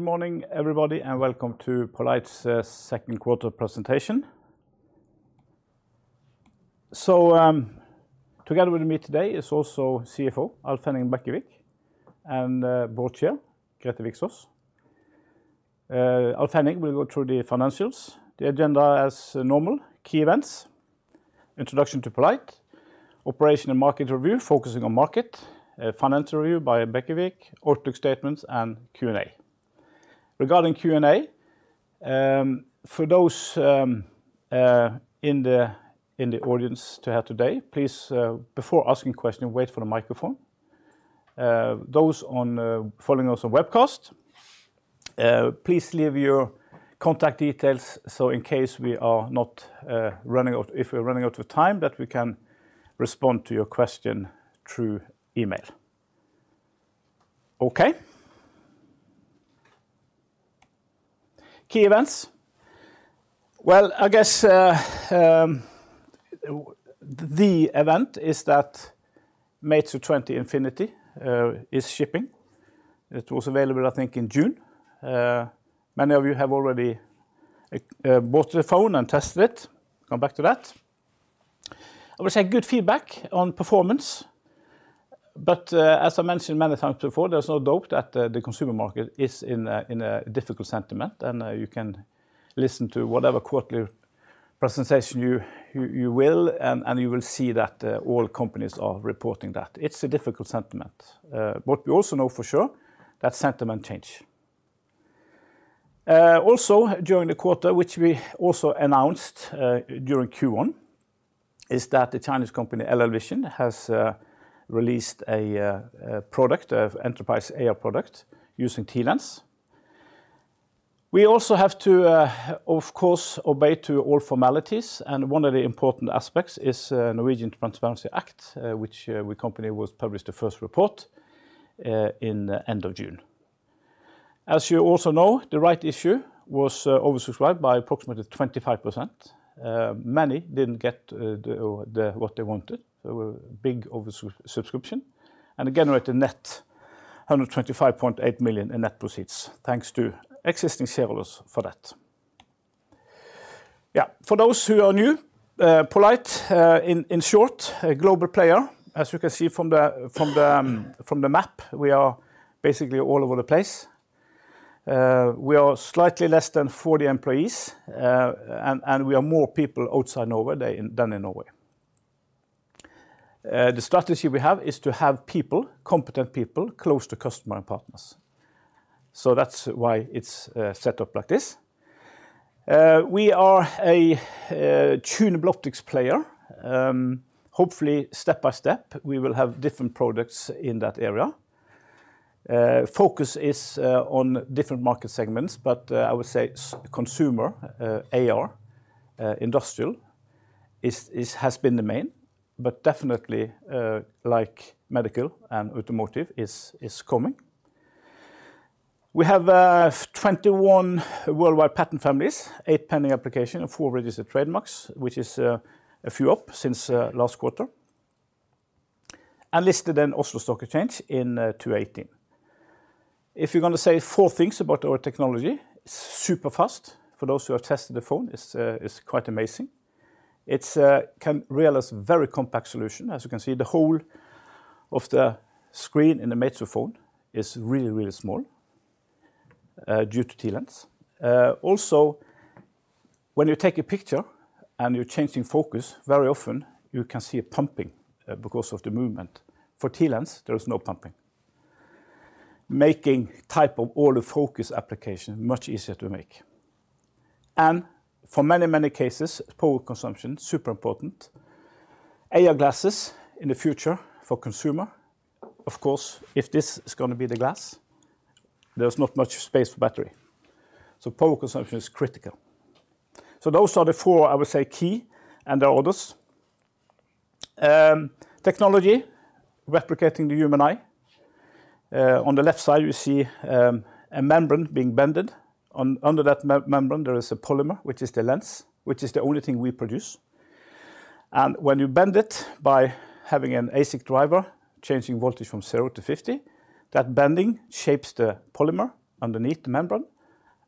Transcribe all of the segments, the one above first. Good morning, everybody, and welcome to poLight's Second Quarter Presentation. Together with me today is also CFO, Alf Henning Bekkevik, and Board Chair, Grethe Viksaas. Alf Henning will go through the financials. The agenda as normal: key events, introduction to poLight, operation and market review, focusing on market, a financial review by Bekkevik, outlook statements, and Q&A. Regarding Q&A, for those in the audience to here today, please before asking question, wait for the microphone. Those on following us on webcast, please leave your contact details, so in case we are not if we're running out of time, that we can respond to your question through email. Okay. Key events. Well, I guess, the event is that Meizu 20 Infinity is shipping. It was available, I think, in June. Many of you have already bought the phone and tested it. Come back to that. I would say good feedback on performance. As I mentioned many times before, there's no doubt that the, the consumer market is in a, in a difficult sentiment, and you can listen to whatever quarterly presentation you, you, you will, and you will see that all companies are reporting that. It's a difficult sentiment. What we also know for sure, that sentiment change. Also, during the quarter, which we also announced during Q1, is that the Chinese company LLVISION has released a product, an enterprise AR product using TLens. We also have to, of course, obey to all formalities, and one of the important aspects is Norwegian Transparency Act, which we company was published the first report in the end of June. As you also know, the rights issue was oversubscribed by approximately 25%. Many didn't get what they wanted. There were big oversubscription, and it generated net 125.8 million in net proceeds. Thanks to existing shareholders for that. For those who are new, poLight, in short, a global player. As you can see from the map, we are basically all over the place. We are slightly less than 40 employees, and we are more people outside Norway than in Norway. The strategy we have is to have people, competent people, close to customer and partners. That's why it's set up like this. We are a tunable optics player. Hopefully, step by step, we will have different products in that area. Focus is on different market segments, but I would say consumer, AR, industrial is, has been the main, but definitely, like medical and automotive is coming. We have 21 worldwide patent families, eight pending application, and four registered trademarks, which is a few up since last quarter. Listed in Oslo Stock Exchange in 2018. If you're gonna say four things about our technology, super fast. For those who have tested the phone, it's quite amazing. It's can realize very compact solution. As you can see, the whole of the screen in the Meizu phone is really, really small, due to TLens. Also, when you take a picture and you're changing focus, very often you can see a pumping, because of the movement. For TLens, there is no pumping, making type of all the focus application much easier to make. For many, many cases, power consumption, super important. AR glasses in the future for consumer, of course, if this is gonna be the glass, there's not much space for battery, so power consumption is critical. Those are the four, I would say, key, and there are others. Technology, replicating the human eye. On the left side, you see a membrane being bended. Under that membrane, there is a polymer, which is the lens, which is the only thing we produce. When you bend it by having an ASIC driver changing voltage from zero to 50, that bending shapes the polymer underneath the membrane,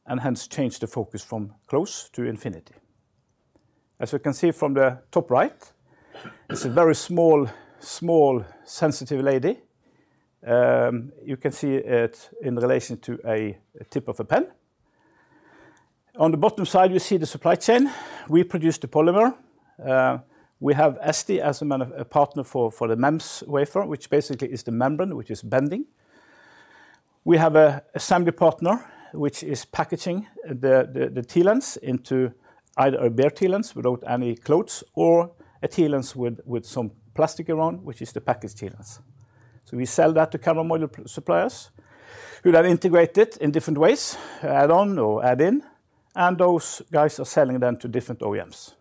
and hence change the focus from close to infinity. As you can see from the top right, it's a very small, small, sensitive lady. You can see it in relation to a tip of a pen. On the bottom side, you see the supply chain. We produce the polymer. We have ST as a partner for the MEMS wafer, which basically is the membrane, which is bending. We have an assembly partner, which is packaging the TLens into either a bare TLens, without any clothes, or a TLens with some plastic around, which is the packaged TLens. We sell that to camera module suppliers, who have integrated in different ways, add on or add in. Those guys are selling them to different OEMs.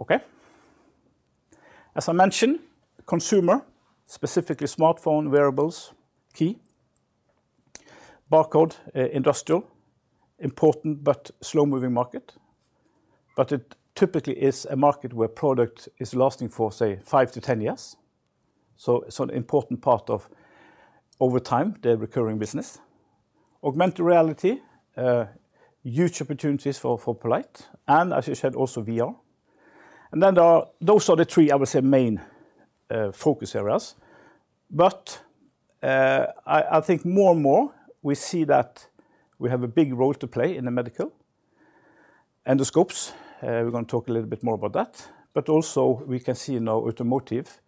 Okay? As I mentioned, consumer, specifically smartphone wearables, key. Barcode, industrial, important but slow-moving market. It typically is a market where product is lasting for, say, five to 10 years. An important part of, over time, the recurring business. Augmented reality, huge opportunities for poLight, and as you said, also VR. There are those are the three, I would say, main focus areas. I think more and more we see that we have a big role to play in the medical endoscopes. We're going to talk a little bit more about that, but also we can see now automotive,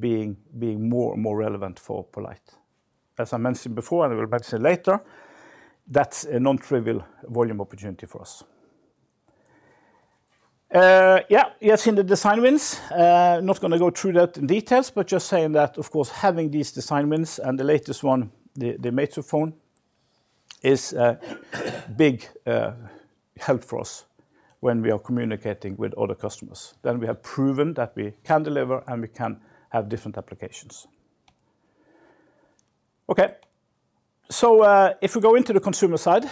being more and more relevant for poLight. As I mentioned before, and I will back say later, that's a non-trivial volume opportunity for us. Yeah, you have seen the design wins. Not gonna go through that in details, but just saying that, of course, having these design wins and the latest one, the, the Meizu phone, is a big help for us when we are communicating with other customers. We have proven that we can deliver, and we can have different applications. Okay, if we go into the consumer side,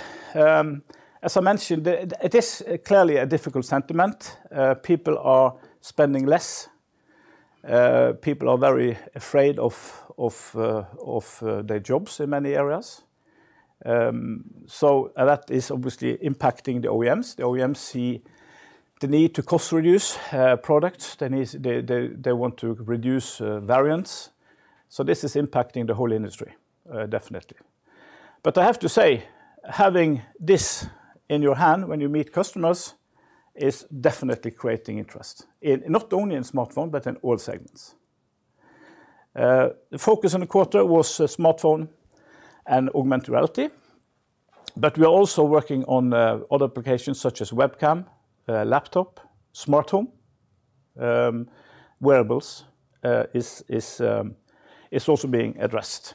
as I mentioned, it, it is clearly a difficult sentiment. People are spending less. People are very afraid of, of, of, their jobs in many areas. That is obviously impacting the OEMs. The OEMs see the need to cost-reduce products. They, they, they want to reduce variants. This is impacting the whole industry, definitely. I have to say, having this in your hand when you meet customers is definitely creating interest in, not only in smartphone, but in all segments. The focus on the quarter was smartphone and augmented reality, but we are also working on other applications such as webcam, laptop, smart home. Wearables is, is also being addressed.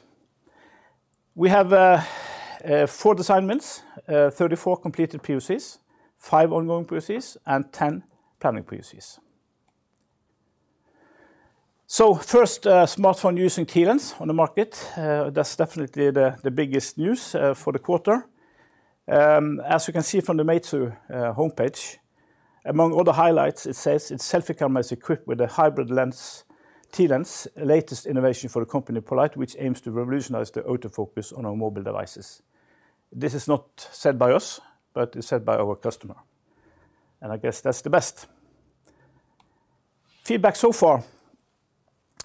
We have four design wins, 34 completed POCs, five ongoing POCs, and 10 planning POCs. First, smartphone using TLens on the market, that's definitely the, the biggest news for the quarter. As you can see from the Meizu homepage, among all the highlights, it says, "Its selfie camera is equipped with a hybrid lens, TLens, latest innovation for the company poLight, which aims to revolutionize the autofocus on our mobile devices." This is not said by us, but it's said by our customer, and I guess that's the best feedback so far.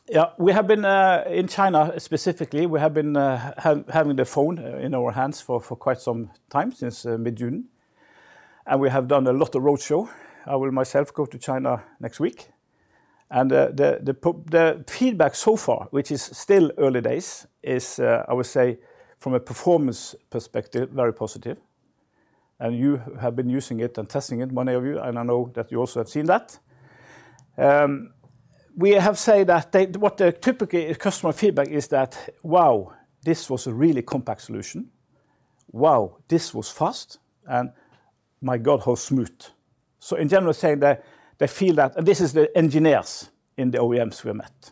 Yeah, we have been in China specifically, we have been having the phone in our hands for quite some time, since mid-June, and we have done a lot of roadshow. I will myself go to China next week, and the feedback so far, which is still early days, is, I would say, from a performance perspective, very positive. You have been using it and testing it, many of you, and I know that you also have seen that. We have said that what the typical customer feedback is that, "Wow, this was a really compact solution. Wow, this was fast," and, "My God, how smooth!" In general, saying that they feel that, and this is the engineers in the OEMs we met.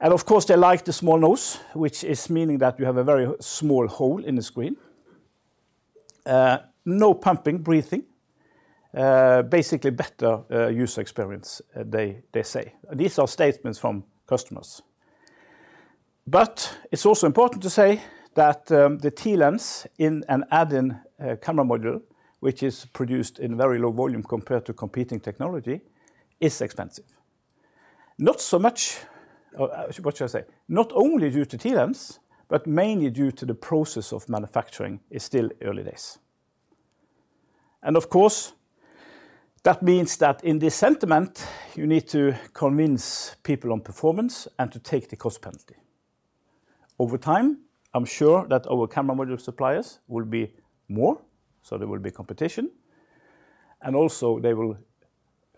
Of course, they like the small nose, which is meaning that you have a very small hole in the screen. No pumping, breathing, basically better user experience, they, they say. These are statements from customers. It's also important to say that the TLens in an add-in camera module, which is produced in very low volume compared to competing technology, is expensive. Not so much. What should I say? Not only due to TLens, but mainly due to the process of manufacturing, is still early days. Of course, that means that in this sentiment, you need to convince people on performance and to take the cost penalty. Over time, I'm sure that our camera module suppliers will be more, so there will be competition, and also they will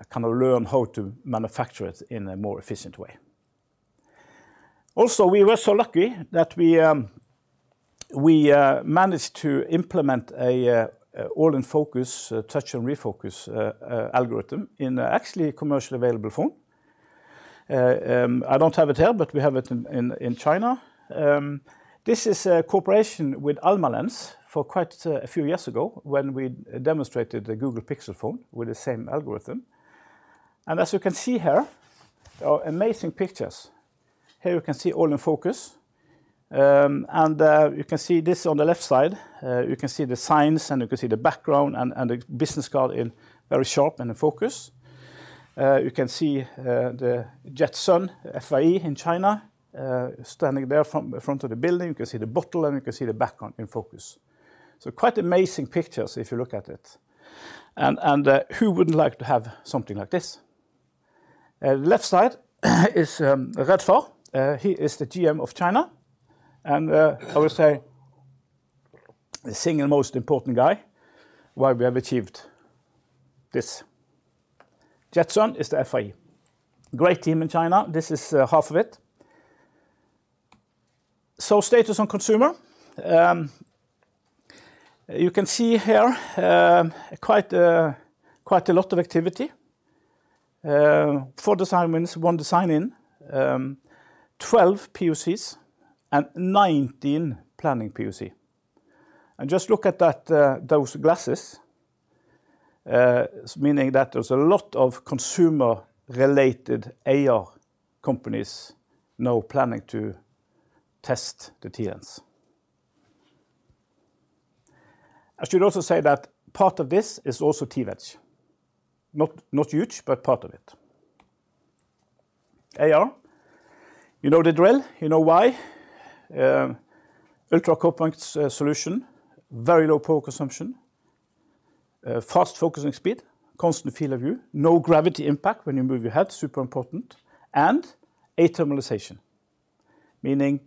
kind of learn how to manufacture it in a more efficient way. Also, we were so lucky that we managed to implement an all-in-focus, touch and refocus algorithm in a actually commercially available phone. I don't have it here, but we have it in, in, in China. This is a cooperation with Almalence for quite a few years ago, when we demonstrated the Google Pixel phone with the same algorithm. As you can see here, are amazing pictures. Here you can see all in focus. You can see this on the left side, you can see the signs, and you can see the background and the business card in very sharp and in focus. You can see the Jason FAE in China standing there front of the building. You can see the bottle, and you can see the background in focus. Quite amazing pictures if you look at it. Who wouldn't like to have something like this? Left side, is Renfa. He is the GM of China, and I would say the single most important guy why we have achieved this. Jason is the FAE. Great team in China. This is half of it. Status on consumer. You can see here, quite a lot of activity. Four design wins, one design-in, 12 POCs, and 19 planning POC. Just look at that, those glasses, meaning that there's a lot of consumer-related AR companies now planning to test the TLens. I should also say that part of this is also TWedge. Not, not huge, but part of it. AR, you know the drill, you know why. Ultra-focal points, solution, very low power consumption, fast focusing speed, constant field of view, no gravity impact when you move your head, super important, and athermalization, meaning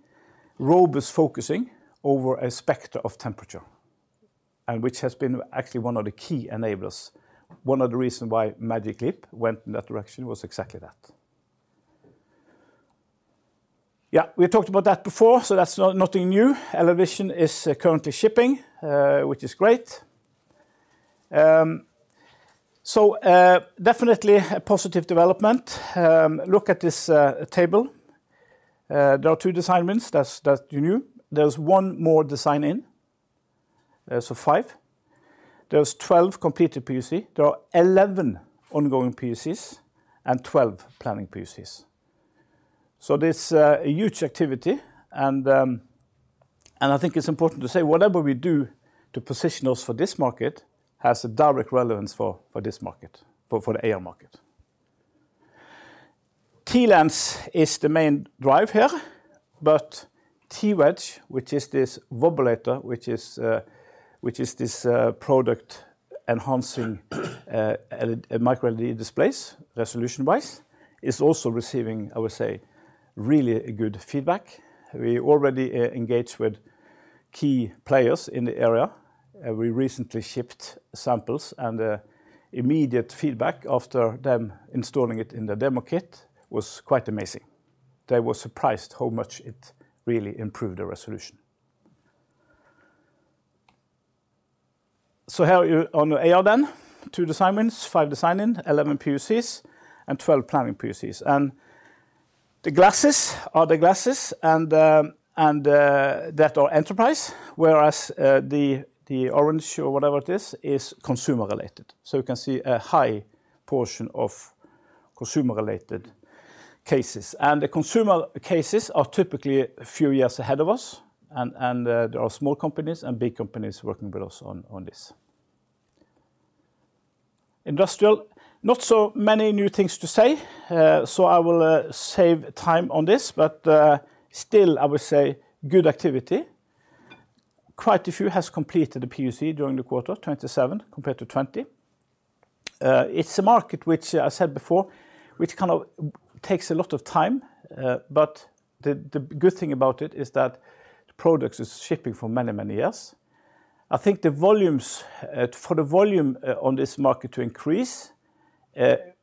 robust focusing over a spectrum of temperature, and which has been actually one of the key enablers. One of the reasons why Magic Leap went in that direction was exactly that. Yeah, we talked about that before, so that's nothing new. LLVISION is currently shipping, which is great. Definitely a positive development. Look at this table. There are two design wins, that's, that you knew. There's one more design-in, so five. There's 12 completed POC. There are 11 ongoing POCs and 12 planning POCs. There's a huge activity, and I think it's important to say, whatever we do to position us for this market has a direct relevance for, for this market, for, for the AR market. TLens is the main drive here, but TWedge, which is this wobulator, which is this product enhancing microLED displays, resolution-wise, is also receiving, I would say, really a good feedback. We already engaged with key players in the area, we recently shipped samples, the immediate feedback after them installing it in the demo kit was quite amazing. They were surprised how much it really improved the resolution. How are you on the AR, then? Two design wins, five design-in, 11 POCs, 12 planning POCs. The glasses are the glasses, and the, that are enterprise, whereas, the, the orange or whatever it is, is consumer-related. You can see a high portion of consumer-related cases. The consumer cases are typically a few years ahead of us, and, there are small companies and big companies working with us on, on this. Industrial, not so many new things to say, I will save time on this, still, I would say, good activity. Quite a few has completed the POC during the quarter, 27 compared to 20. It's a market which, as I said before, which kind of takes a lot of time, but the, the good thing about it is that the product is shipping for many, many years. I think the volumes, for the volume, on this market to increase,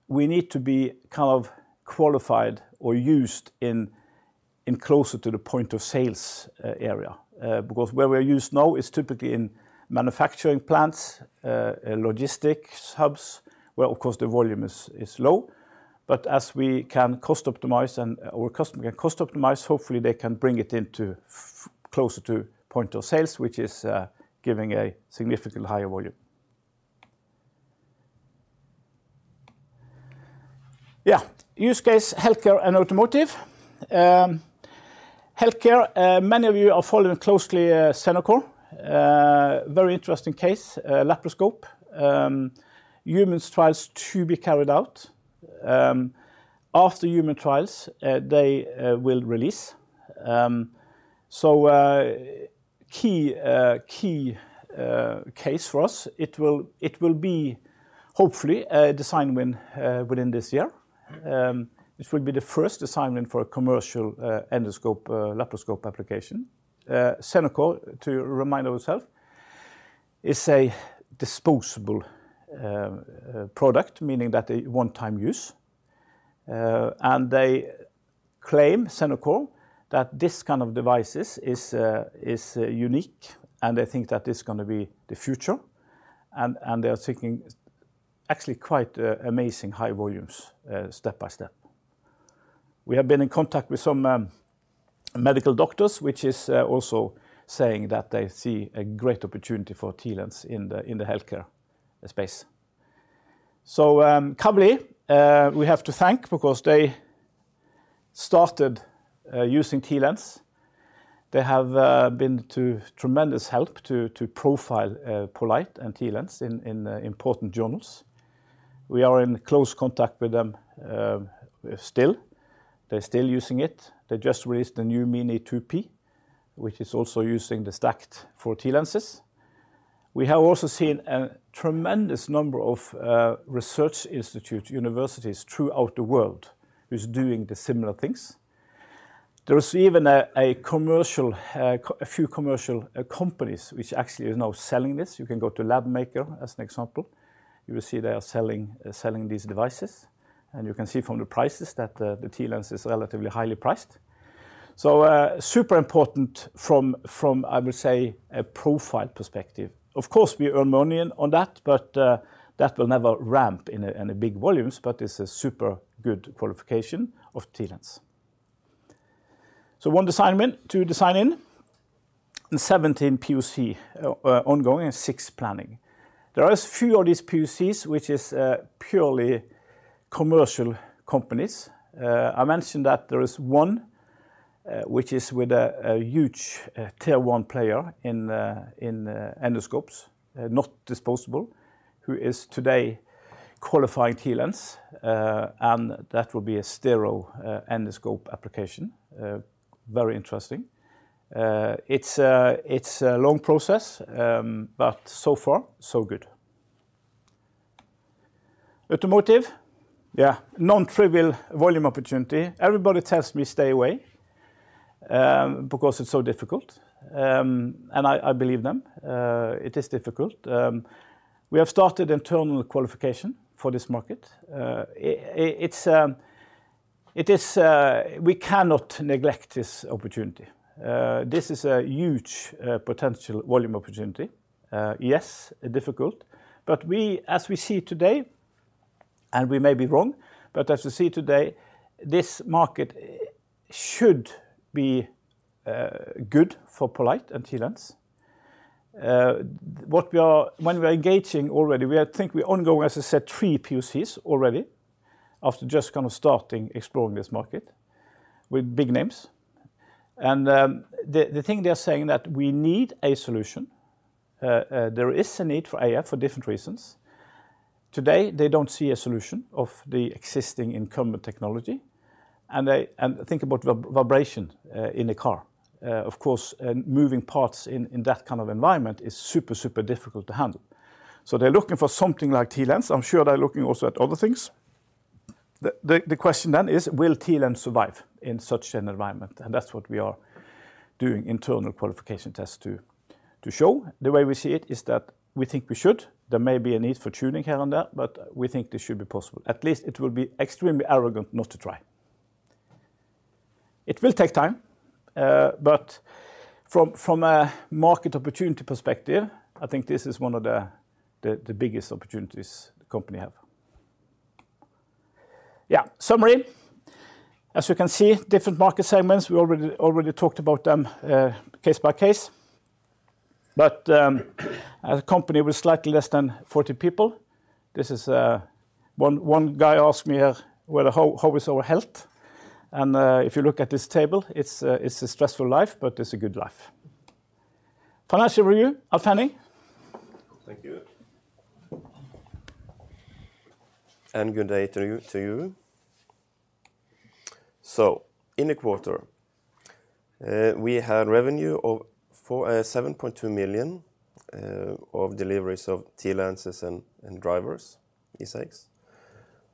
we need to be kind of qualified or used in, in closer to the point of sales, area. Because where we're used now is typically in manufacturing plants, logistics hubs, where, of course, the volume is, is low. But as we can cost optimize or customer can cost optimize, hopefully, they can bring it into closer to point of sales, which is, giving a significantly higher volume. Yeah. Use case, healthcare and automotive. Healthcare, many of you are following closely, Xenocor. Very interesting case, laparoscope. Human trials to be carried out. After human trials, they will release. Key, key case for us, it will, it will be hopefully a design win within this year. This will be the first design win for a commercial endoscope, laparoscope application. Xenocor, to remind ourselves, is a disposable product, meaning that a one-time use. They claim, Xenocor, that this kind of devices is unique, and they think that it's gonna be the future, and, and they are thinking actually quite amazing high volumes step by step. We have been in contact with some medical doctors, which is also saying that they see a great opportunity for TLens in the healthcare space. So, Kavli, we have to thank because they started using TLens. They have been to tremendous help to, to profile poLight and TLens in important journals. We are in close contact with them still. They're still using it. They just released a new Mini2P, which is also using the stacked four TLenses. We have also seen a tremendous number of research institute, universities throughout the world, who's doing the similar things. There is even a, a commercial, a few commercial companies which actually is now selling this. You can go to LABmaker as an example. You will see they are selling, selling these devices, and you can see from the prices that the TLens is relatively highly priced. Super important from, I would say, a profile perspective. Of course, we earn money in on that, but that will never ramp in a big volumes, but it's a super good qualification of TLens. One design win, two design-in, and 17 POC ongoing, and six planning. There are a few of these POCs which is purely commercial companies. I mentioned that there is one which is with a huge Tier 1 player in endoscopes, not disposable, who is today qualifying TLens. And that will be a sterile endoscope application. Very interesting. It's a long process, but so far, so good. Automotive, yeah, non-trivial volume opportunity. Everybody tells me, "Stay away," because it's so difficult. I, I believe them. It is difficult. We have started internal qualification for this market. It's, it is. We cannot neglect this opportunity. This is a huge, potential volume opportunity. Yes, difficult, but we as we see today, and we may be wrong, but as we see today, this market should be good for poLight and TLens. What we are. When we are engaging already, we are, I think we ongoing, as I said, three POCs already, after just kind of starting exploring this market with big names. The, the thing they are saying that we need a solution. There is a need for AI for different reasons. Today, they don't see a solution of the existing incumbent technology, and they think about vibration in a car. Of course, moving parts in that kind of environment is super, super difficult to handle. They're looking for something like TLens. I'm sure they're looking also at other things. The question then is will TLens survive in such an environment? That's what we are doing internal qualification tests to, to show. The way we see it, is that we think we should. There may be a need for tuning here and there, but we think this should be possible. At least it will be extremely arrogant not to try. It will take time, but from, from a market opportunity perspective, I think this is one of the biggest opportunities the company have. Yeah, summary. As you can see, different market segments, we already, already talked about them, case by case. As a company with slightly less than 40 people, this is. One guy asked me, where the how is our health? If you look at this table, it's a, it's a stressful life, but it's a good life. Financial review, Alf Henning. Thank you. Good day to you, to you. In the quarter, we had revenue of 7.2 million of deliveries of TLens and drivers, ASICs,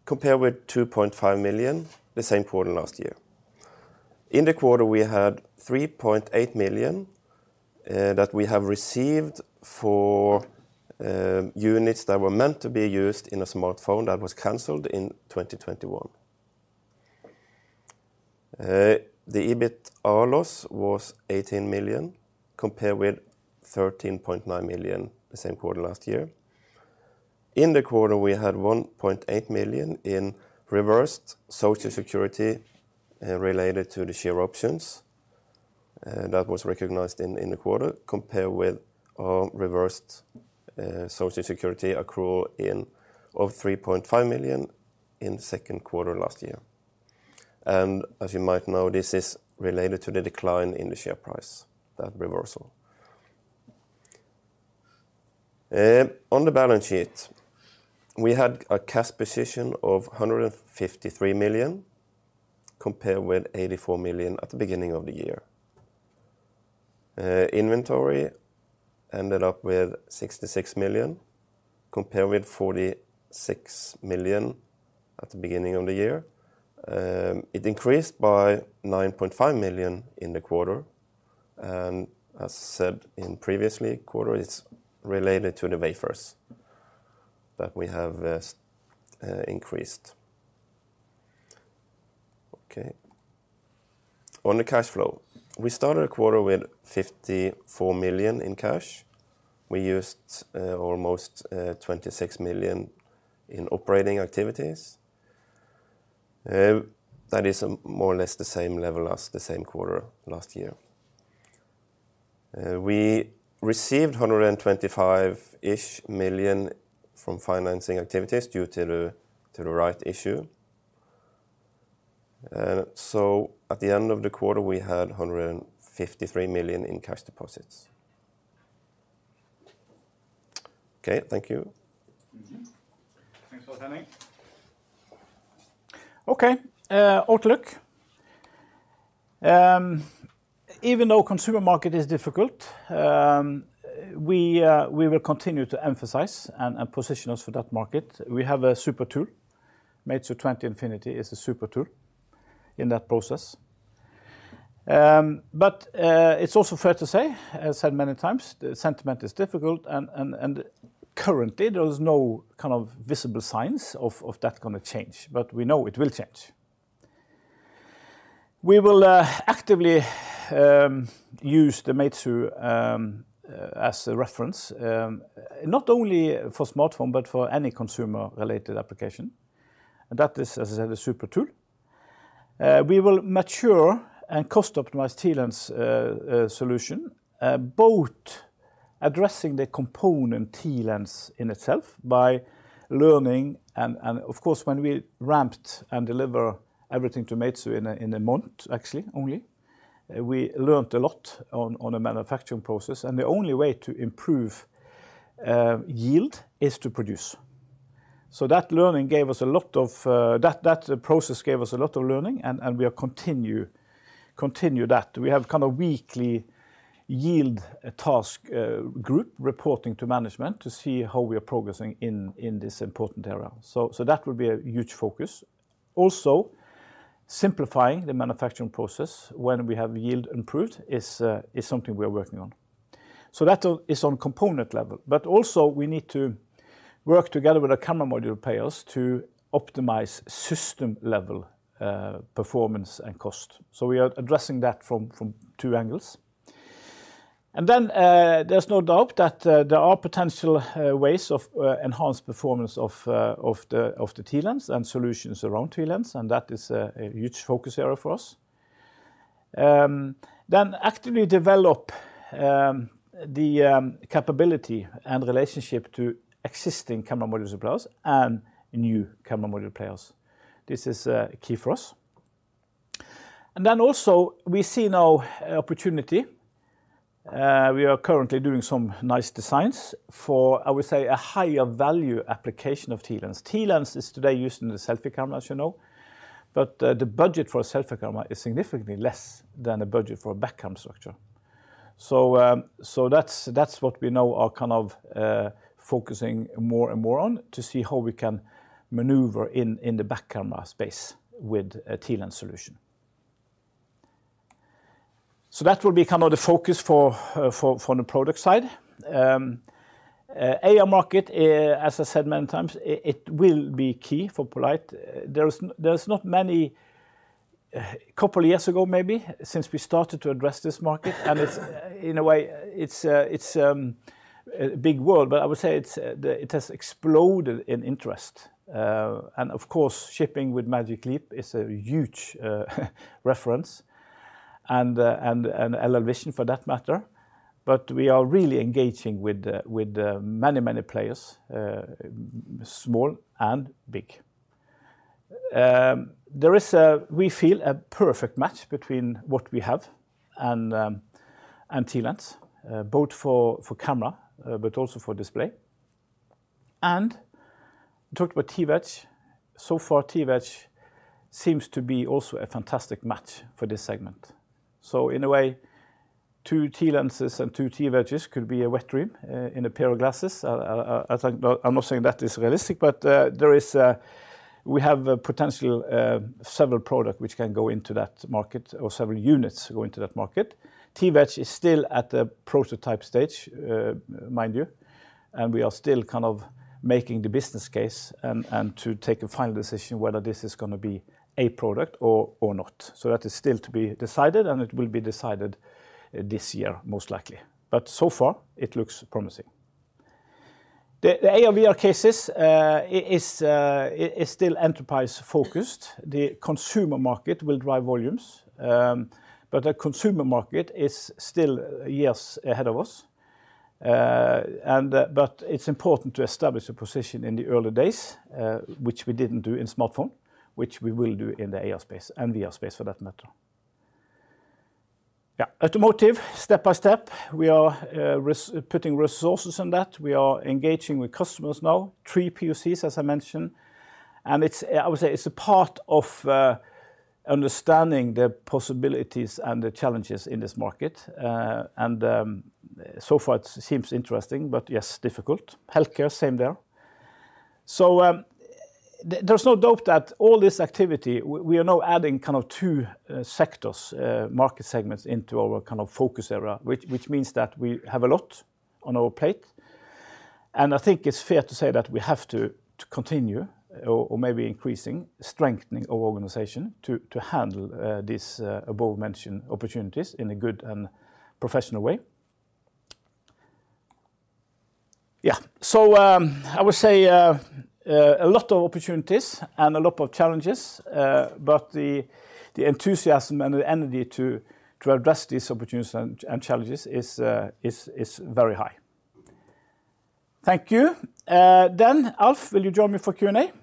compared with 2.5 million the same quarter last year. In the quarter, we had 3.8 million that we have received for units that were meant to be used in a smartphone that was canceled in 2021. The EBIT loss was 18 million, compared with 13.9 million the same quarter last year. In the quarter, we had 1.8 million in reversed Social Security related to the share options that was recognized in the quarter, compared with reversed Social Security accrual of 3.5 million in second quarter last year. As you might know, this is related to the decline in the share price, that reversal. On the balance sheet, we had a cash position of 153 million, compared with 84 million at the beginning of the year. Inventory ended up with 66 million, compared with 46 million at the beginning of the year. It increased by 9.5 million in the quarter, and as said in previously quarter, it's related to the wafers that we have increased. Okay. On the cash flow, we started the quarter with 54 million in cash. We used almost 26 million in operating activities. That is more or less the same level as the same quarter last year. We received 125-ish million from financing activities due to the, to the rights issue. At the end of the quarter, we had 153 million in cash deposits. Okay, thank you. Mm-hmm. Thanks, Alf Henning. Okay, outlook. Even though consumer market is difficult, we will continue to emphasize and position us for that market. We have a super tool. Meizu 20 Infinity is a super tool in that process. It's also fair to say, I said many times, the sentiment is difficult. Currently, there's no kind of visible signs of that gonna change, but we know it will change. We will actively use the Meizu as a reference, not only for smartphone but for any consumer-related application. That is, as I said, a super tool. We will mature and cost-optimize TLens solution, both addressing the component TLens in itself by learning, and, and of course, when we ramped and deliver everything to Meizu in a, in a month, actually, only, we learned a lot on, on the manufacturing process, and the only way to improve yield is to produce. That learning gave us a lot of. That, that process gave us a lot of learning, and, and we are continue, continue that. We have kind of weekly yield task group reporting to management to see how we are progressing in, in this important area. That will be a huge focus. Also, simplifying the manufacturing process when we have yield improved is something we are working on. That is on component level. Also we need to work together with our camera module players to optimize system-level performance and cost. We are addressing that from, from two angles. There's no doubt that there are potential ways of enhanced performance of the, of the TLens and solutions around TLens, and that is a huge focus area for us. Actively develop the capability and relationship to existing camera module suppliers and new camera module players. This is key for us. Also we see now opportunity, we are currently doing some nice designs for, I would say, a higher value application of TLens. TLens is today used in the selfie camera, as you know, but the budget for a selfie camera is significantly less than the budget for a back camera structure. That's, that's what we now are kind of focusing more and more on, to see how we can maneuver in, in the back camera space with a TLens solution. That will be kind of the focus for, for, for the product side. AR market, as I said many times, it will be key for poLight. There's not many. Two years ago, maybe, since we started to address this market, and it's in a way, it's a, it's a big world, but I would say it's it has exploded in interest. And of course, shipping with Magic Leap is a huge reference, and LLVISION for that matter, but we are really engaging with, with many, many players, small and big. there is a, we feel, a perfect match between what we have and and TLens, both for, for camera, but also for display. We talked about TWedge. So far, TWedge seems to be also a fantastic match for this segment. In a way, two TLenses and two TWedges could be a wet dream, in a pair of glasses. I'm not saying that is realistic, but there is, we have a potential, several product which can go into that market or several units go into that market. TWedge is still at the prototype stage, mind you, and we are still kind of making the business case and, and to take a final decision whether this is gonna be a product or, or not. That is still to be decided, and it will be decided this year, most likely. So far, it looks promising. The AR/VR cases is still enterprise-focused. The consumer market will drive volumes, but the consumer market is still years ahead of us. And, but it's important to establish a position in the early days, which we didn't do in smartphone, which we will do in the AR space and VR space, for that matter. Yeah, automotive, step by step. We are putting resources on that. We are engaging with customers now. Three POCs, as I mentioned, and it's, I would say, it's a part of understanding the possibilities and the challenges in this market. So far it seems interesting, but yes, difficult. Healthcare, same there. There's no doubt that all this activity, we are now adding kind of two sectors, market segments into our kind of focus area, which, which means that we have a lot on our plate. I think it's fair to say that we have to, to continue or, or maybe increasing, strengthening our organization to, to handle these above mentioned opportunities in a good and professional way. Yeah. I would say a lot of opportunities and a lot of challenges, but the enthusiasm and the energy to address these opportunities and challenges is, is very high. Thank you. Alf, will you join me for Q&A? Sure. We take that right back.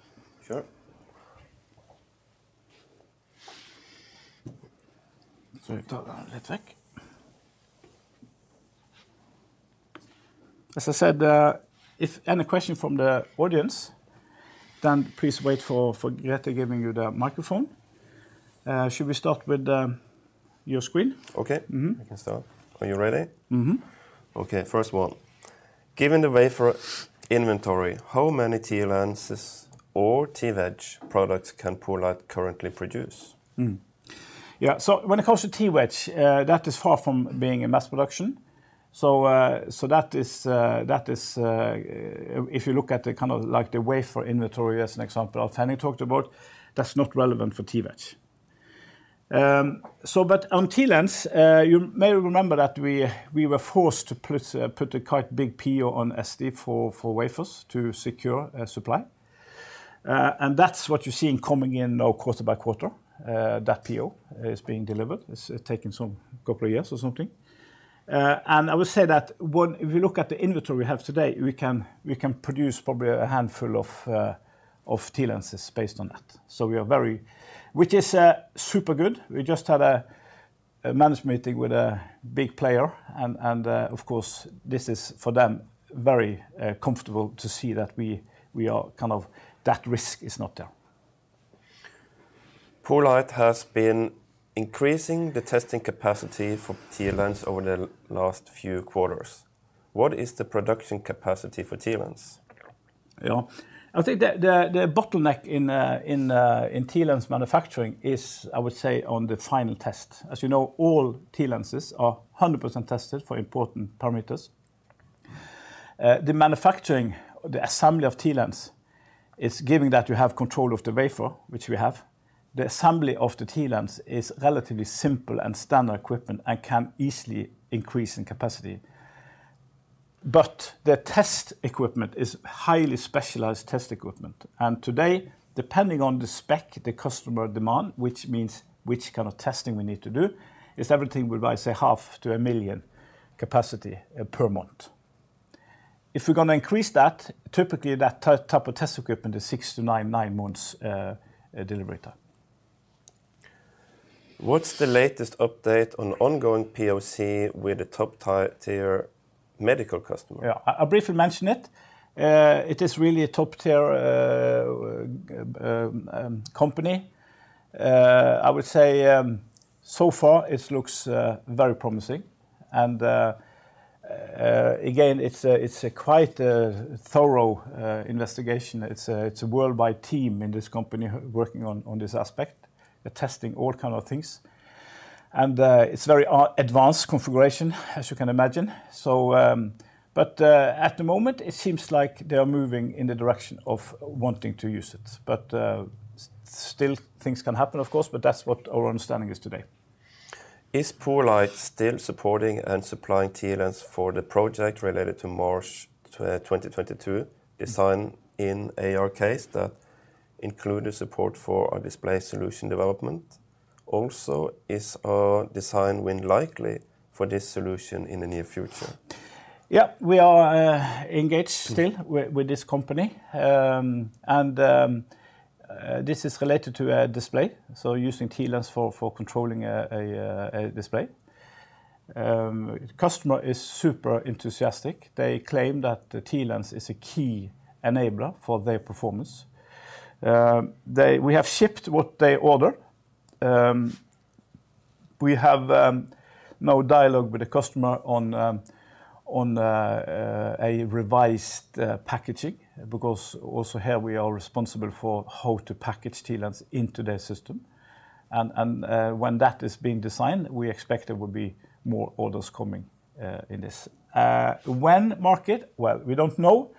As I said, if any question from the audience, please wait for Grete giving you the microphone. Should we start with your screen? Okay. Mm-hmm. I can start. Are you ready? Mm-hmm. Okay, first one: Given the wafer inventory, how many TLenses or TWedge products can poLight currently produce? When it comes to TWedge, that is far from being in mass production. That is if you look at the kind of like the wafer inventory as an example of Henning talked about, that's not relevant for TWedge. On TLens, you may remember that we, we were forced to put a quite big PO on STMicroelectronics for wafers to secure supply. That's what you're seeing coming in now quarter by quarter. That PO is being delivered. It's taking some two years or something. I would say that when, if you look at the inventory we have today, we can, we can produce probably a handful of TLenses based on that. We are very, which is super good. We just had a management meeting with a big player, and of course, this is, for them, very comfortable to see that we are kind of, that risk is not there. poLight has been increasing the testing capacity for TLens over the last few quarters. What is the production capacity for TLens? Yeah. I think the, the, the bottleneck in TLens manufacturing is, I would say, on the final test. As you know, all TLenses are 100% tested for important parameters. The manufacturing, the assembly of TLens is giving that you have control of the wafer, which we have. The assembly of the TLens is relatively simple and standard equipment, and can easily increase in capacity. The test equipment is highly specialized test equipment, and today, depending on the spec, the customer demand, which means which kind of testing we need to do, is everything whereby, say, 0.5 million-1 million capacity per month. If we're going to increase that, typically that type of test equipment six to nine months delivery time. What's the latest update on ongoing POC with the top tier medical customer? Yeah, I, I briefly mentioned it. It is really a top-tier company. I would say, so far it looks very promising. Again, it's a, it's a quite thorough investigation. It's a, it's a worldwide team in this company working on, on this aspect. They're testing all kind of things. It's very advanced configuration, as you can imagine. At the moment, it seems like they are moving in the direction of wanting to use it. Still things can happen, of course, but that's what our understanding is today. Is poLight still supporting and supplying TLens for the project related to March 2022, design in AR case that included support for our display solution development? Also, is a design win likely for this solution in the near future? Yeah, we are engaged still with, with this company. This is related to a display, so using TLens for, for controlling a display. Customer is super enthusiastic. They claim that the TLens is a key enabler for their performance. We have shipped what they order. We have no dialogue with the customer on a revised packaging, because also here we are responsible for how to package TLens into their system. When that is being designed, we expect there will be more orders coming in this. When market? Well, we don't know.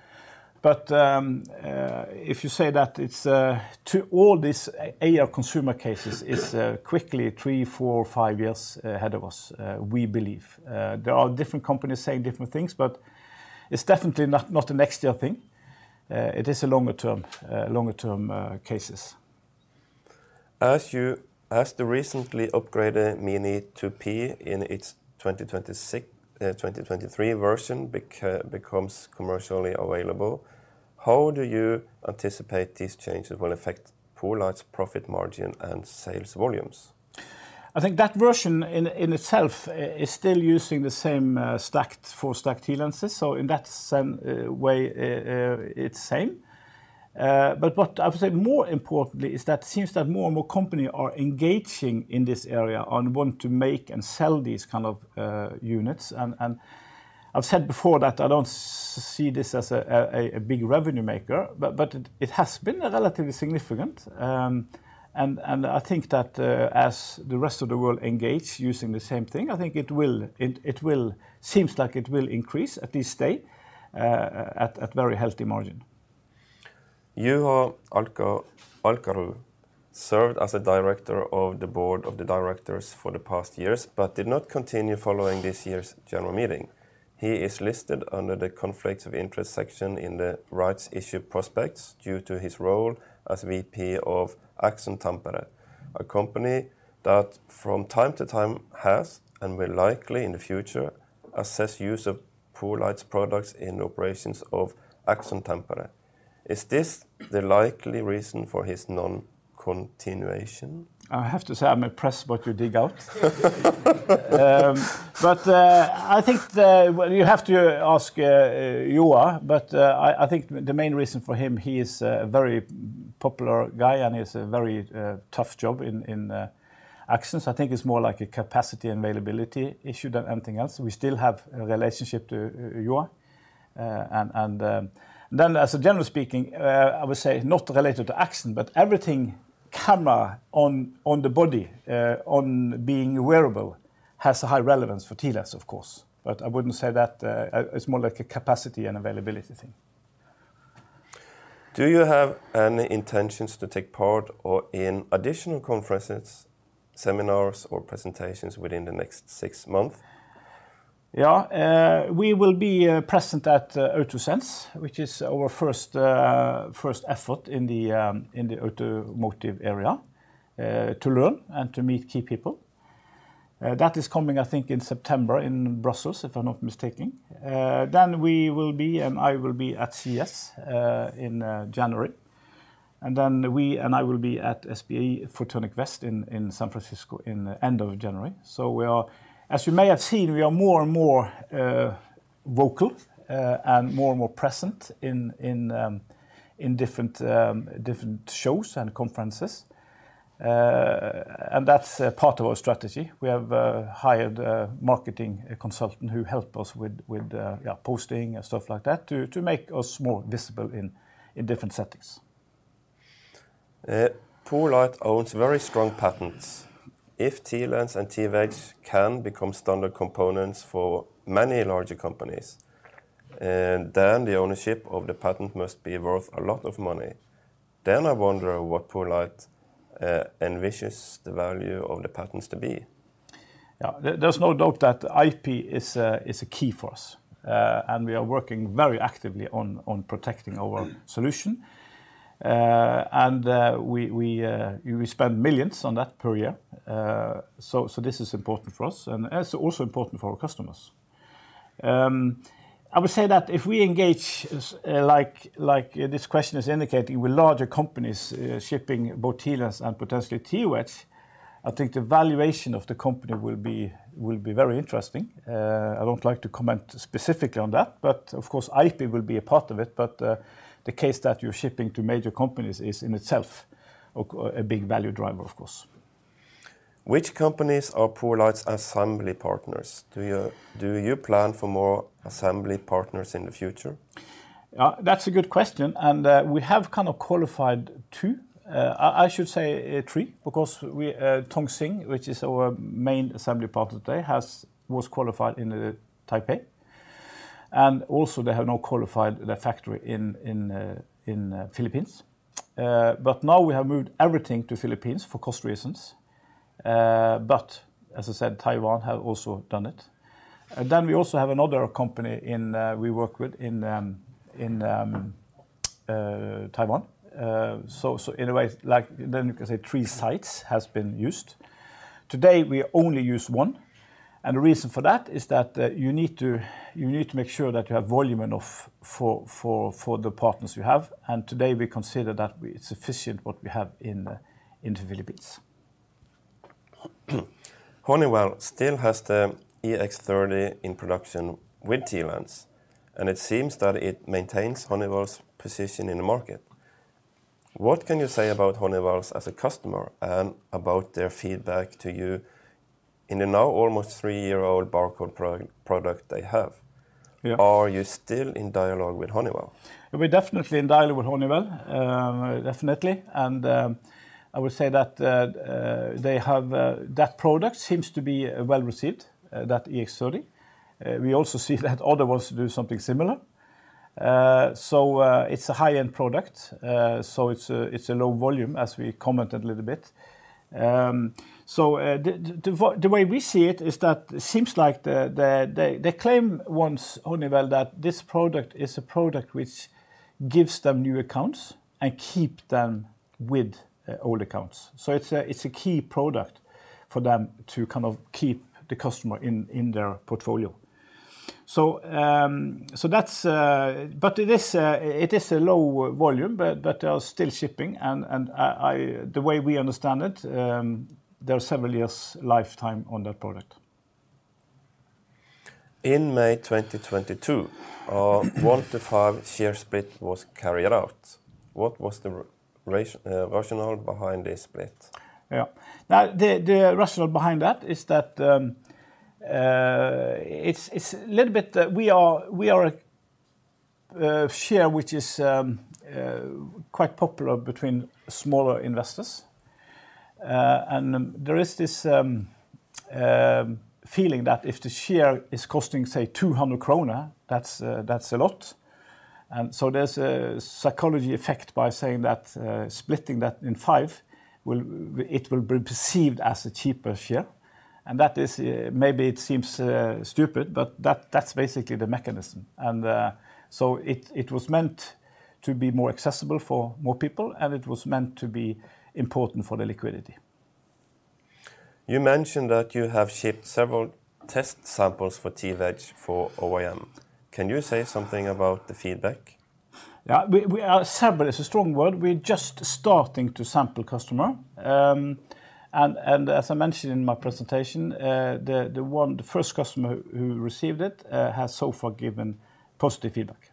If you say that it's to all these AR consumer cases is quickly three, four, five years ahead of us, we believe. There are different companies saying different things, but it's definitely not, not a next year thing. It is a longer term, longer term, cases. As the recently upgraded Mini2P in its 2026, 2023 version becomes commercially available, how do you anticipate these changes will affect poLight's profit margin and sales volumes? I think that version in itself is still using the same stacked, Four stacked TLenses, so in that same way, it's same. What I would say more importantly, is that it seems that more and more company are engaging in this area and want to make and sell these kind of units. I've said before that I don't see this as a big revenue maker, but it has been relatively significant. I think that as the rest of the world engage using the same thing, I think it will, it will seems like it will increase, at least stay at very healthy margin. Juho Alakarhu served as a director of the board of the directors for the past years, but did not continue following this year's general meeting. He is listed under the conflicts of interest section in the rights issue prospects due to his role as VP of Axon Tampere, a company that from time to time has, and will likely in the future, assess use of poLight's products in operations of Axon Tampere. Is this the likely reason for his non-continuation? I have to say, I'm impressed what you dig out. I think, well, you have to ask, Juho, but, I, I think the main reason for him, he is a very popular guy, and he has a very, tough job in, in, Axon. I think it's more like a capacity availability issue than anything else. We still have a relationship to Juho. And, and, then as a general speaking, I would say not related to Axon, but everything camera on, on the body, on being wearable has a high relevance for TLens, of course, but I wouldn't say that. It's more like a capacity and availability thing. Do you have any intentions to take part or in additional conferences, seminars, or presentations within the next six months? Yeah. We will be present at AutoSens, which is our first effort in the automotive area, to learn and to meet key people. That is coming, I think, in September, in Brussels, if I'm not mistaking. We will be, and I will be at CES in January, and we and I will be at SPIE Photonics West in San Francisco in the end of January. As you may have seen, we are more and more vocal and more and more present in different different shows and conferences. That's a part of our strategy. We have hired a marketing consultant who help us with, yeah, posting and stuff like that, to make us more visible in different settings. poLight owns very strong patents. If TLens and TWedge can become standard components for many larger companies, then the ownership of the patent must be worth a lot of money. I wonder what poLight envisions the value of the patents to be? Yeah. There, there's no doubt that IP is a key for us, and we are working very actively on protecting our solution. We spend millions on that per year. This is important for us and it's also important for our customers. I would say that if we engage, like, like this question is indicating, with larger companies, shipping both TLens and potentially TWedge, I think the valuation of the company will be very interesting. I don't like to comment specifically on that, but of course, IP will be a part of it. The case that you're shipping to major companies is, in itself, a big value driver, of course. Which companies are poLight's assembly partners? Do you, do you plan for more assembly partners in the future? That's a good question, and we have kind of qualified two. I, I should say, three, because we, Tong Hsing, which is our main assembly partner today, was qualified in Taipei, and also they have now qualified the factory in, in Philippines. Now we have moved everything to Philippines for cost reasons. As I said, Taiwan have also done it. Then we also have another company in we work with, in Taiwan. In a way, like, then you can say three sites has been used. Today we only use one. The reason for that is that, you need to, you need to make sure that you have volume enough for, for, for the partners you have. Today we consider that we- sufficient, what we have in, in the Philippines. Honeywell still has the EX30 in production with TLens, and it seems that it maintains Honeywell's position in the market. What can you say about Honeywell as a customer and about their feedback to you in the now almost three-year-old barcode product they have? Yeah. Are you still in dialogue with Honeywell? We're definitely in dialogue with Honeywell. Definitely. I would say that they have that product seems to be well-received, that EX30. We also see that other ones do something similar. It's a high-end product, so it's a low volume, as we commented a little bit. The way we see it is that it seems like they claimed once, Honeywell, that this product is a product which gives them new accounts and keep them with old accounts. It's a key product for them to kind of keep the customer in, in their portfolio. That's. It is a, it is a low volume, but they are still shipping, and I, the way we understand it, there are several years lifetime on that product. In May 2022, a one to five share split was carried out. What was the rationale behind this split? Yeah. Now, the rationale behind that is that, it's a little bit, we are a share, which is quite popular between smaller investors. There is this feeling that if the share is costing, say, 200 kroner, that's a lot. So there's a psychology effect by saying that splitting that in five will be perceived as a cheaper share. That is, maybe it seems stupid, but that's basically the mechanism. So it was meant to be more accessible for more people, and it was meant to be important for the liquidity. You mentioned that you have shipped several test samples for TWedge for OEM. Can you say something about the feedback? Yeah. We, we sample is a strong word. We're just starting to sample customer. As I mentioned in my presentation, the, the one- the first customer who received it, has so far given positive feedback.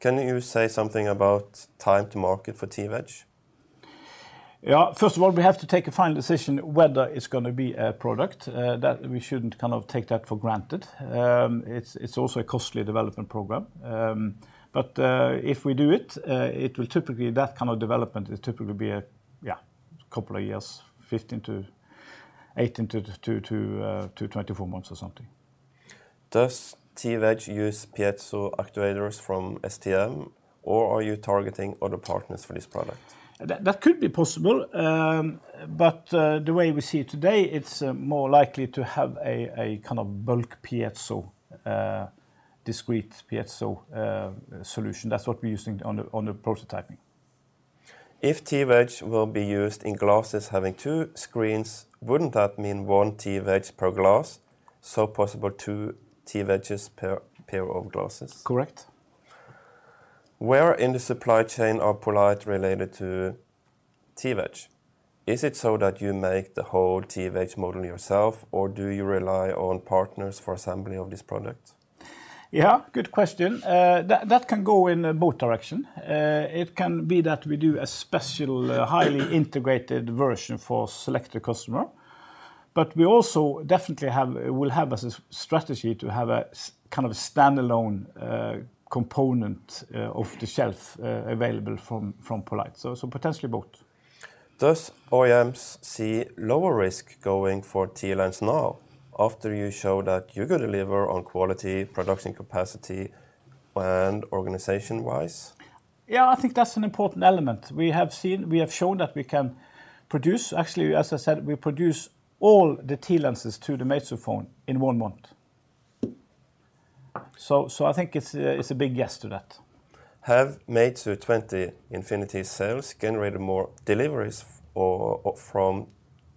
Can you say something about time-to-market for TWedge? Yeah, first of all, we have to take a final decision whether it's going to be a product, that we shouldn't kind of take that for granted. It's also a costly development program. If we do it, that kind of development is typically be a, yeah, couple of years, 15-18 to 24 months or something. Does TWedge use piezo actuators from STM, or are you targeting other partners for this product? That, that could be possible. But the way we see it today, it's more likely to have a kind of bulk piezo, discrete piezo solution. That's what we're using on the prototyping. If TWedge will be used in glasses having two screens, wouldn't that mean one TWedge per glass, so possible two TWedges per pair of glasses? Correct. Where in the supply chain are poLight related to TWedge? Is it so that you make the whole TWedge module yourself, or do you rely on partners for assembly of this product? Yeah, good question. That, that can go in both direction. It can be that we do a special, highly integrated version for selected customer, but we also definitely will have as a strategy to have a kind of a standalone component, off the shelf, available from, from poLight, so, so potentially both. Does OEMs see lower risk going for TLens now, after you show that you can deliver on quality, production capacity, and organization-wise? Yeah, I think that's an important element. We have shown that we can produce. Actually, as I said, we produce all the TLenses to the Meizu phone in one month. I think it's a big yes to that. Have Meizu 20 Infinity sales generated more deliveries or, from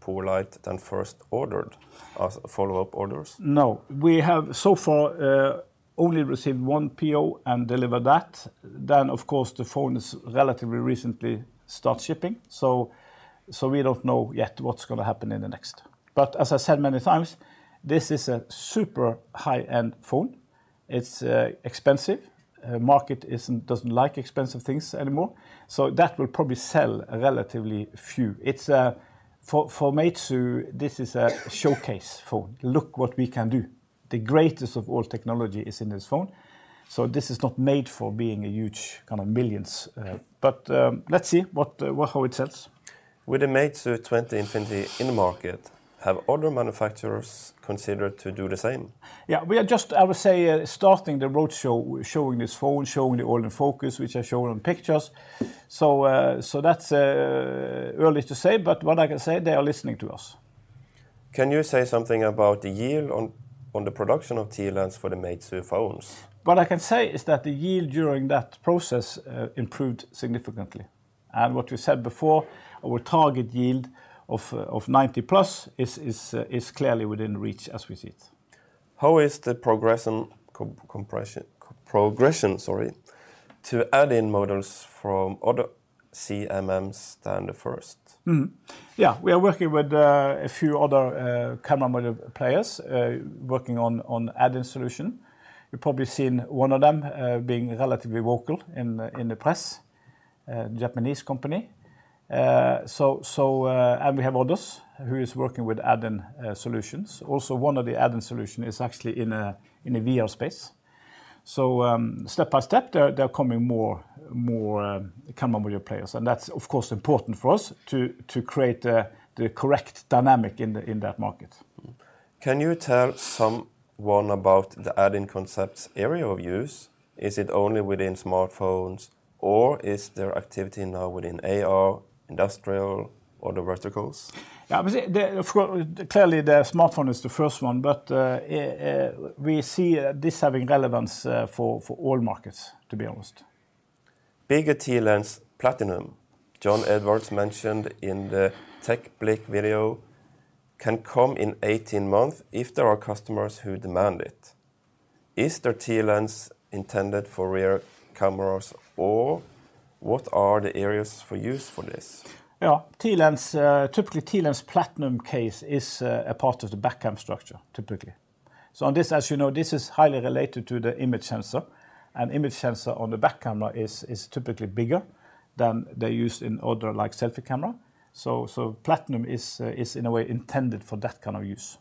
poLight than first ordered as follow-up orders? No. We have so far only received one PO and delivered that. Of course, the phone is relatively recently start shipping, so, so we don't know yet what's going to happen in the next. As I said many times, this is a super high-end phone. It's expensive. Market doesn't like expensive things anymore, so that will probably sell relatively few. It's for, for Meizu, this is a showcase phone. "Look what we can do. The greatest of all technology is in this phone." This is not made for being a huge, kind of, millions, - Yeah. Let's see what, what, how it sells. With the Meizu 20 Infinity in the market, have other manufacturers considered to do the same? Yeah, we are just, I would say, starting the roadshow, showing this phone, showing the all the focus, which I've shown on pictures. That's early to say, but what I can say, they are listening to us. Can you say something about the yield on the production of TLens for the Meizu phones? What I can say is that the yield during that process, improved significantly. What we said before, our target yield of, of 90-plus is, is, is clearly within reach as we see it. How is the progression, sorry, to add in models from other CCMs than the first? Mm-hmm. Yeah, we are working with a few other camera module players, working on, on add-in solution. You've probably seen one of them being relatively vocal in the, in the press, a Japanese company. So, so we have others who is working with add-in solutions. Also, one of the add-in solution is actually in a, in a VR space. Step by step, there, there are coming more, more camera module players, and that's, of course, important for us to, to create the, the correct dynamic in the, in that market. Can you tell someone about the add-in concepts area of use? Is it only within smartphones, or is there activity now within AR, industrial, or other verticals? Yeah, see, the, of course- clearly, the smartphone is the first one, but we see this having relevance for all markets, to be honest. Bigger TLens Platinum, John Edwards mentioned in The TechBlick video, can come in 18 months if there are customers who demand it. Is the TLens intended for rear cameras, or what are the areas for use for this? Yeah. TLens, typically, TLens Platinum case is a part of the back cam structure, typically. On this, as you know, this is highly related to the image sensor, and image sensor on the back camera is typically bigger than they use in other, like, selfie camera. Platinum is in a way intended for that kind of use.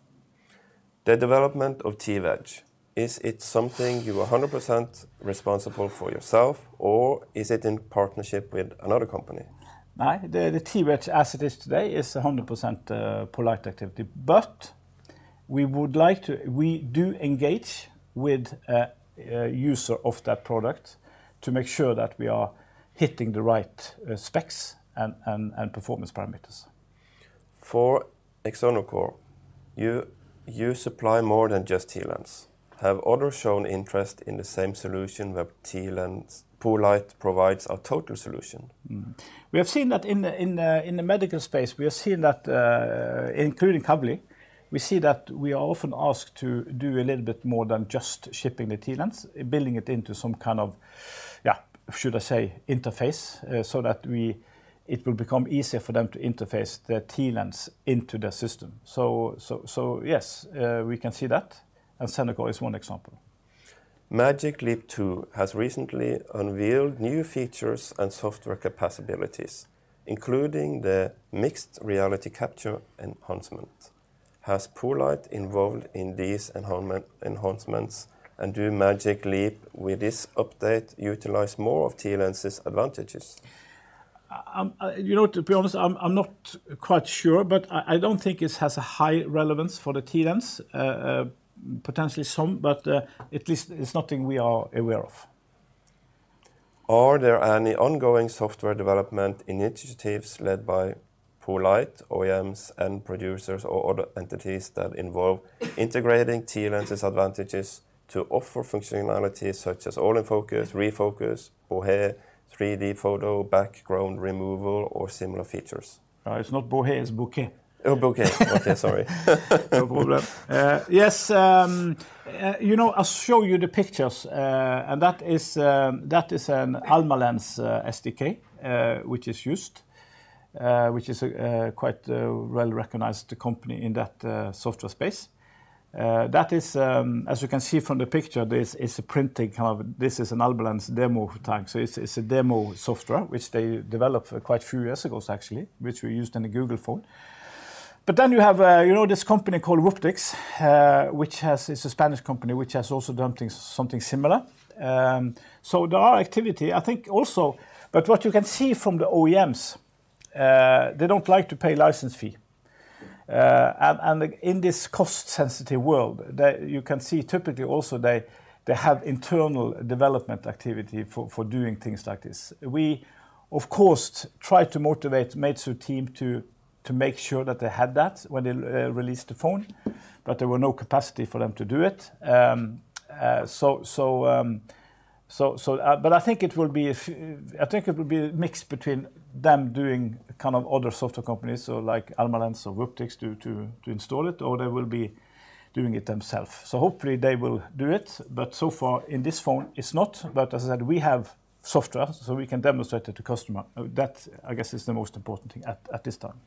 The development of TWedge, is it something you are 100% responsible for yourself, or is it in partnership with another company? The, the TWedge, as it is today, is 100% poLight activity. We do engage with a, a user of that product to make sure that we are hitting the right specs and, and, and performance parameters. For Xenocor, you, you supply more than just TLens. Have others shown interest in the same solution where TLens poLight provides a total solution? Mm. We have seen that in the, in the, in the medical space, we have seen that, including Kavli, we see that we are often asked to do a little bit more than just shipping the TLens, building it into some kind of, yeah, should I say, interface, so that it will become easier for them to interface the TLens into their system. Yes, we can see that, and Xenocor is one example. Magic Leap 2 has recently unveiled new features and software capabilities, including the mixed reality capture enhancement. Has poLight involved in these enhancements, and do Magic Leap, with this update, utilize more of TLens's advantages? You know, to be honest, I'm, I'm not quite sure, but I, I don't think this has a high relevance for the TLens. Potentially some, but at least it's nothing we are aware of. Are there any ongoing software development initiatives led by poLight, OEMs, and producers or other entities that involve integrating TLens's advantages to offer functionalities such as all-in focus, refocus, bokeh, 3D photo, background removal, or similar features? It's not bokeh, it's bokeh. Oh, bokeh. Okay, sorry. No problem. Yes, you know, I'll show you the pictures. That is an Almalence SDK, which is used, which is a quite a well-recognized company in that software space. That is. As you can see from the picture, this is a printing, kind of. This is an Almalence demo tag, so it's, it's a demo software, which they developed quite a few years ago, actually, which we used in the Google phone. You have, you know, this company called Wooptix. It's a Spanish company, which has also done things, something similar. There are activity. I think also, but what you can see from the OEMs, they don't like to pay license fee. In this cost-sensitive world, you can see typically also they, they have internal development activity for, for doing things like this. We, of course, try to motivate Meizu team to, to make sure that they had that when they released the phone, but there were no capacity for them to do it. I think it will be a mix between them doing kind of other software companies, so like Almalence or Wooptix to, to, to install it, or they will be doing it themselves. Hopefully they will do it, but so far in this phone, it's not. As I said, we have software, so we can demonstrate it to customer. That, I guess, is the most important thing at this time.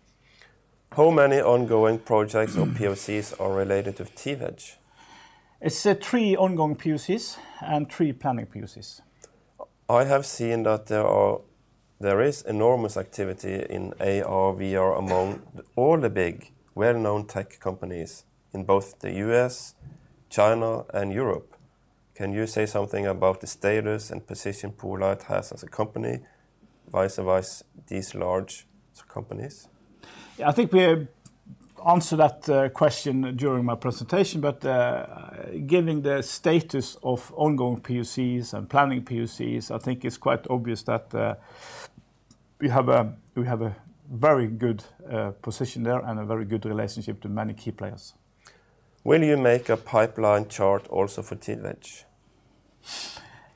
How many ongoing projects or POCs are related to TWedge? It's three ongoing POCs and three planning POCs. I have seen that there is enormous activity in AR/VR among all the big, well-known tech companies in both the U.S., China, and Europe. Can you say something about the status and position poLight has as a company, vice versa, these large companies? I think we answered that question during my presentation, but given the status of ongoing POCs and planning POCs, I think it's quite obvious that we have a, we have a very good position there and a very good relationship to many key players. Will you make a pipeline chart also for TWedge?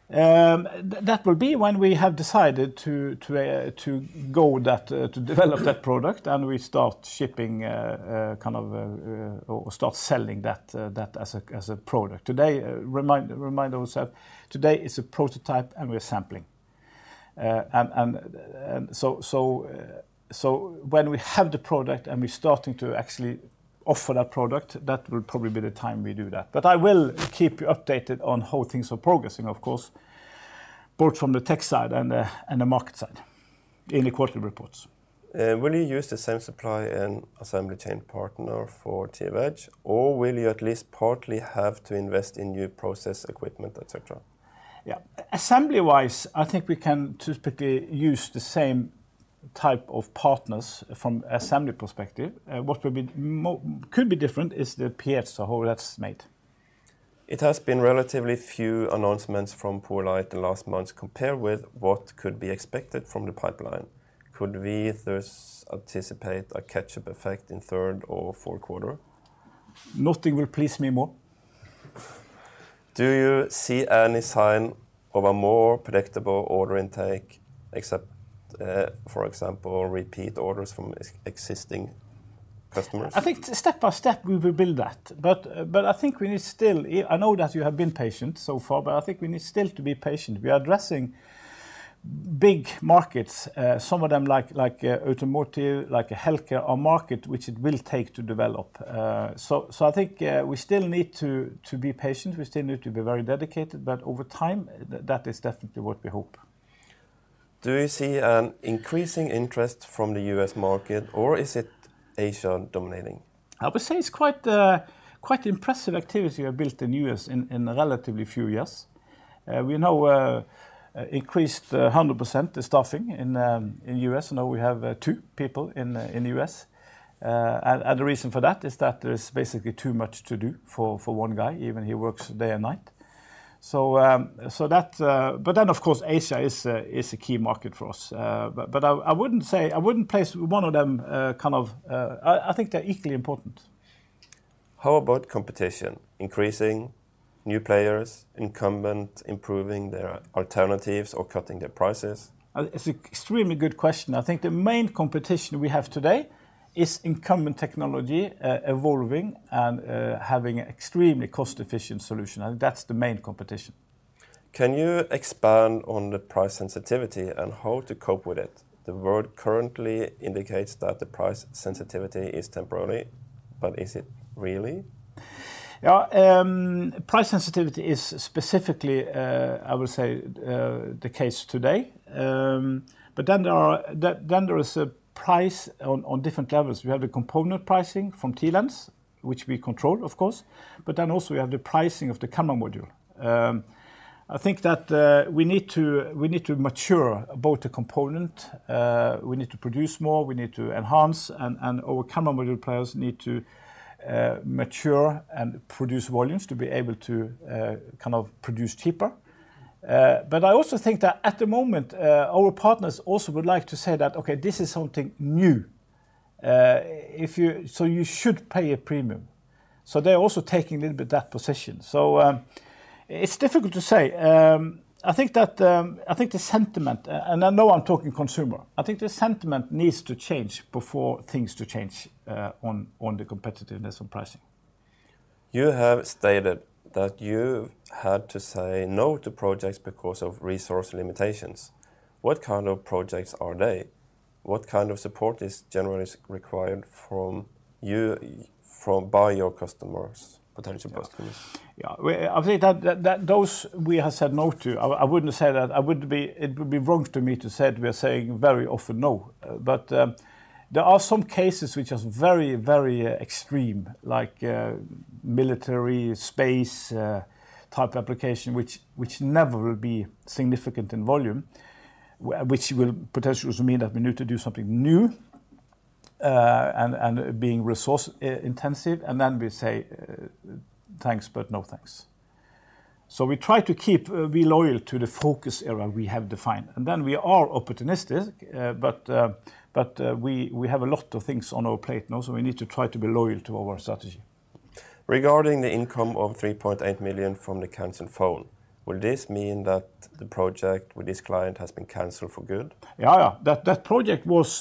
That will be when we have decided to, to develop that product, and we start shipping, kind of, or start selling that, that as a, as a product. Today, remind, remind ourselves, today is a prototype and we're sampling. When we have the product and we're starting to actually offer that product, that will probably be the time we do that. I will keep you updated on how things are progressing, of course, both from the tech side and the, and the market side in the quarterly reports. Will you use the same supply and assembly chain partner for TWedge, or will you at least partly have to invest in new process equipment, et cetera? Yeah. Assembly-wise, I think we can typically use the same type of partners from assembly perspective. What will be could be different is the PH, so how that's made. It has been relatively few announcements from poLight the last months, compared with what could be expected from the pipeline. Could we thus anticipate a catch-up effect in third or fourth quarter? Nothing will please me more. Do you see any sign of a more predictable order intake, except, for example, repeat orders from existing customers? I think step by step we will build that. But I think we need still, I know that you have been patient so far, but I think we need still to be patient. We are addressing big markets, some of them like, like, automotive, like healthcare, are market which it will take to develop. So I think, we still need to, to be patient, we still need to be very dedicated, but over time, that is definitely what we hope. Do you see an increasing interest from the U.S. market, or is it Asia dominating? I would say it's quite a, quite impressive activity we have built in U.S. in, in a relatively few years. We now increased 100% the staffing in U.S., now we have two people in U.S. The reason for that is that there is basically too much to do for one guy, even he works day and night. Of course, Asia is a key market for us. I wouldn't place one of them. I think they're equally important. How about competition? Increasing, new players, incumbent improving their alternatives or cutting their prices? It's an extremely good question. I think the main competition we have today is incumbent technology, evolving and, having extremely cost-efficient solution. That's the main competition. Can you expand on the price sensitivity and how to cope with it? The world currently indicates that the price sensitivity is temporary, but is it really? Yeah, price sensitivity is specifically, I would say, the case today. There are, there is a price on different levels. We have the component pricing from TLens, which we control, of course, but then also we have the pricing of the camera module. I think that we need to, we need to mature both the component, we need to produce more, we need to enhance, and our camera module players need to mature and produce volumes to be able to kind of produce cheaper. I also think that at the moment, our partners also would like to say that, "Okay, this is something new, you should pay a premium." They're also taking a little bit that position. It's difficult to say. I think that, I think the sentiment, and I know I'm talking consumer, I think the sentiment needs to change before things to change on the competitiveness and pricing. You have stated that you've had to say no to projects because of resource limitations. What kind of projects are they? What kind of support is generally required from you, by your customers, potential customers? Yeah. Well, I think that, that, those we have said no to, I, I wouldn't say that- I wouldn't be- it would be wrong to me to say we're saying very often no. There are some cases which are very, very extreme, like military, space, type application, which never will be significant in volume, which will potentially also mean that we need to do something new, and it being resource intensive, and then we say, "Thanks, but no, thanks." We try to keep, be loyal to the focus area we have defined, and then we are opportunistic, but, but, we, we have a lot of things on our plate now, so we need to try to be loyal to our strategy. Regarding the income of 3.8 million from the canceled phone, will this mean that the project with this client has been canceled for good? Yeah, yeah. That, that project was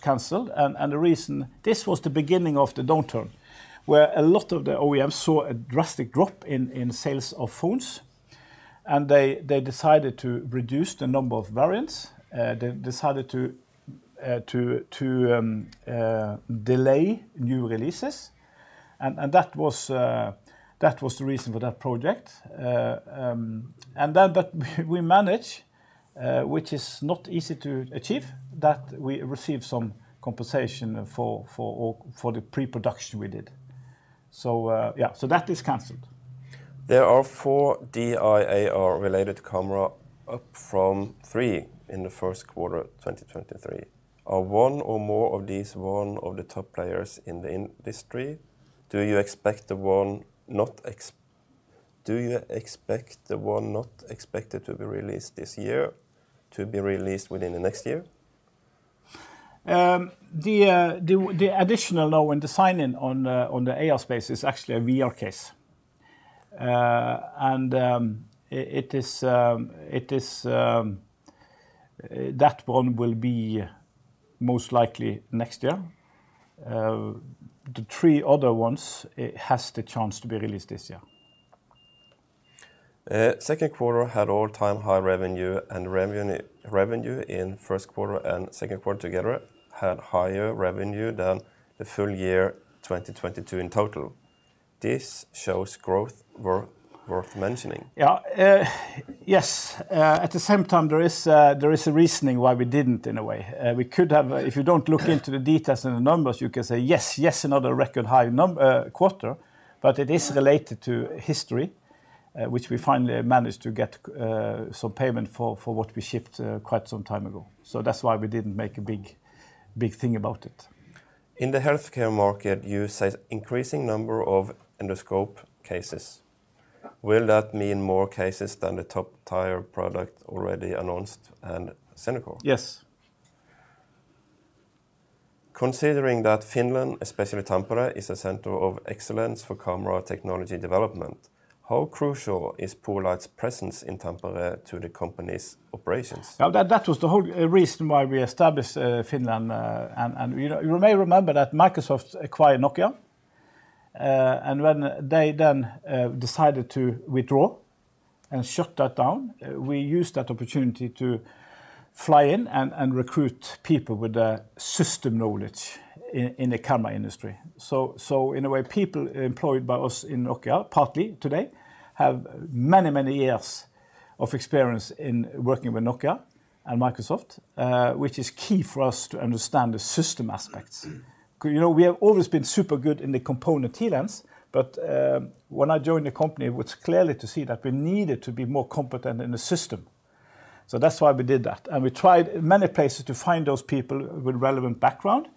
canceled, and the reason. This was the beginning of the downturn, where a lot of the OEMs saw a drastic drop in sales of phones, and they decided to reduce the number of variants. They decided to delay new releases, and that was the reason for that project. But we manage, which is not easy to achieve, that we received some compensation for all, for the pre-production we did. Yeah, so that is canceled. There are four LiDAR-related camera, up from three in the first quarter of 2023. Are one or more of these one of the top players in the industry? Do you expect the one not expected to be released this year to be released within the next year? The, the, the additional now in designing on the, on the AR space is actually a VR case. That one will be most likely next year. The three other ones, it has the chance to be released this year. Second quarter had all-time high revenue, and revenue, revenue in first quarter and second quarter together had higher revenue than the full year 2022 in total. This shows growth worth, worth mentioning. Yeah. Yes. At the same time, there is, there is a reasoning why we didn't, in a way. We could have, if you don't look into the details and the numbers, you can say, "Yes, yes, another record high quarter." It is related to history, which we finally managed to get some payment for, for what we shipped quite some time ago. That's why we didn't make a big, big thing about it. In the healthcare market, you said increasing number of endoscope cases. Yeah. Will that mean more cases than the top-tier product already announced and Xenocor? Yes. Considering that Finland, especially Tampere, is a center of excellence for camera technology development, how crucial is poLight's presence in Tampere to the company's operations? That, that was the whole reason why we established Finland, and, and you know, you may remember that Microsoft acquired Nokia, and when they then decided to withdraw and shut that down, we used that opportunity to fly in and, and recruit people with the system knowledge in, in the camera industry. In a way, people employed by us in Nokia, partly today, have many, many years of experience in working with Nokia and Microsoft, which is key for us to understand the system aspects. You know, we have always been super good in the component TLens, but when I joined the company, it was clearly to see that we needed to be more competent in the system. That's why we did that, and we tried many places to find those people with relevant background,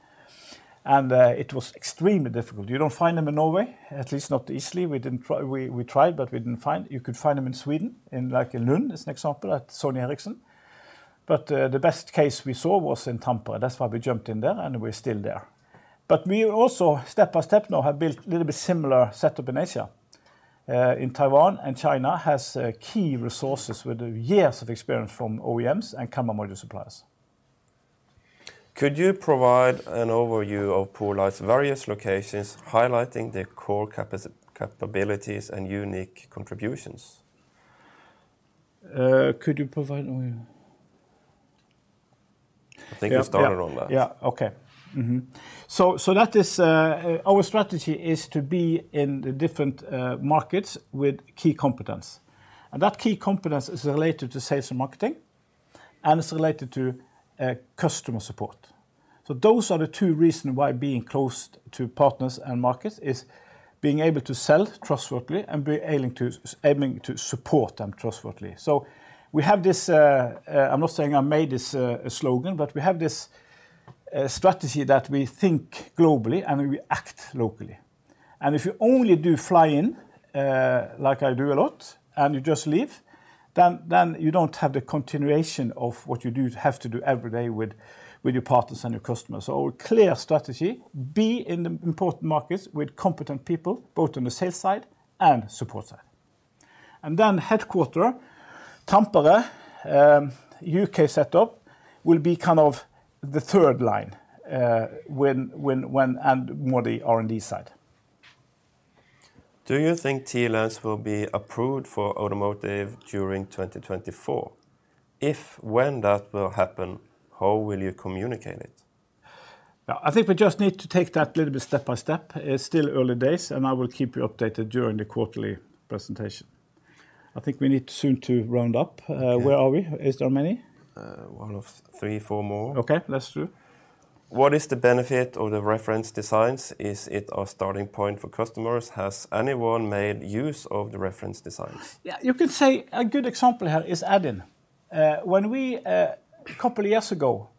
and it was extremely difficult. You don't find them in Norway, at least not easily. We didn't try- we, we tried, but we didn't find. You could find them in Sweden, in like in Lund, as an example, at Sony Ericsson. The best case we saw was in Tampere. That's why we jumped in there, and we're still there. We also, step by step now, have built a little bit similar setup in Asia. In Taiwan and China has key resources with years of experience from OEMs and camera module suppliers. Could you provide an overview of poLight's various locations, highlighting their core capabilities and unique contributions? Could you provide overview? I think you started on that. Yeah, yeah. Okay. Mm-hmm. That is our strategy is to be in the different markets with key competence, and that key competence is related to sales and marketing, and it's related to customer support. Those are the two reasons why being close to partners and markets, is being able to sell trustworthy and aiming to support them trustworthy. We have this. I'm not saying I made this slogan, but we have this strategy that we think globally, and we act locally. If you only do fly in, like I do a lot, and you just leave, then, then you don't have the continuation of what you have to do every day with your partners and your customers. Our clear strategy, be in the important markets with competent people, both on the sales side and support side. headquarter, Tampere, U.K. setup will be kind of the third line, when, when, when, and more the R&D side. Do you think TLens will be approved for automotive during 2024? If when that will happen, how will you communicate it? Yeah, I think we just need to take that little bit step by step. It's still early days, and I will keep you updated during the quarterly presentation. I think we need soon to round up. Yeah. Where are we? Is there many? one of three, four more. Okay, let's do. What is the benefit of the reference designs? Is it a starting point for customers? Has anyone made use of the reference designs? Yeah, you could say a good example here is add-in. When we, a couple years ago,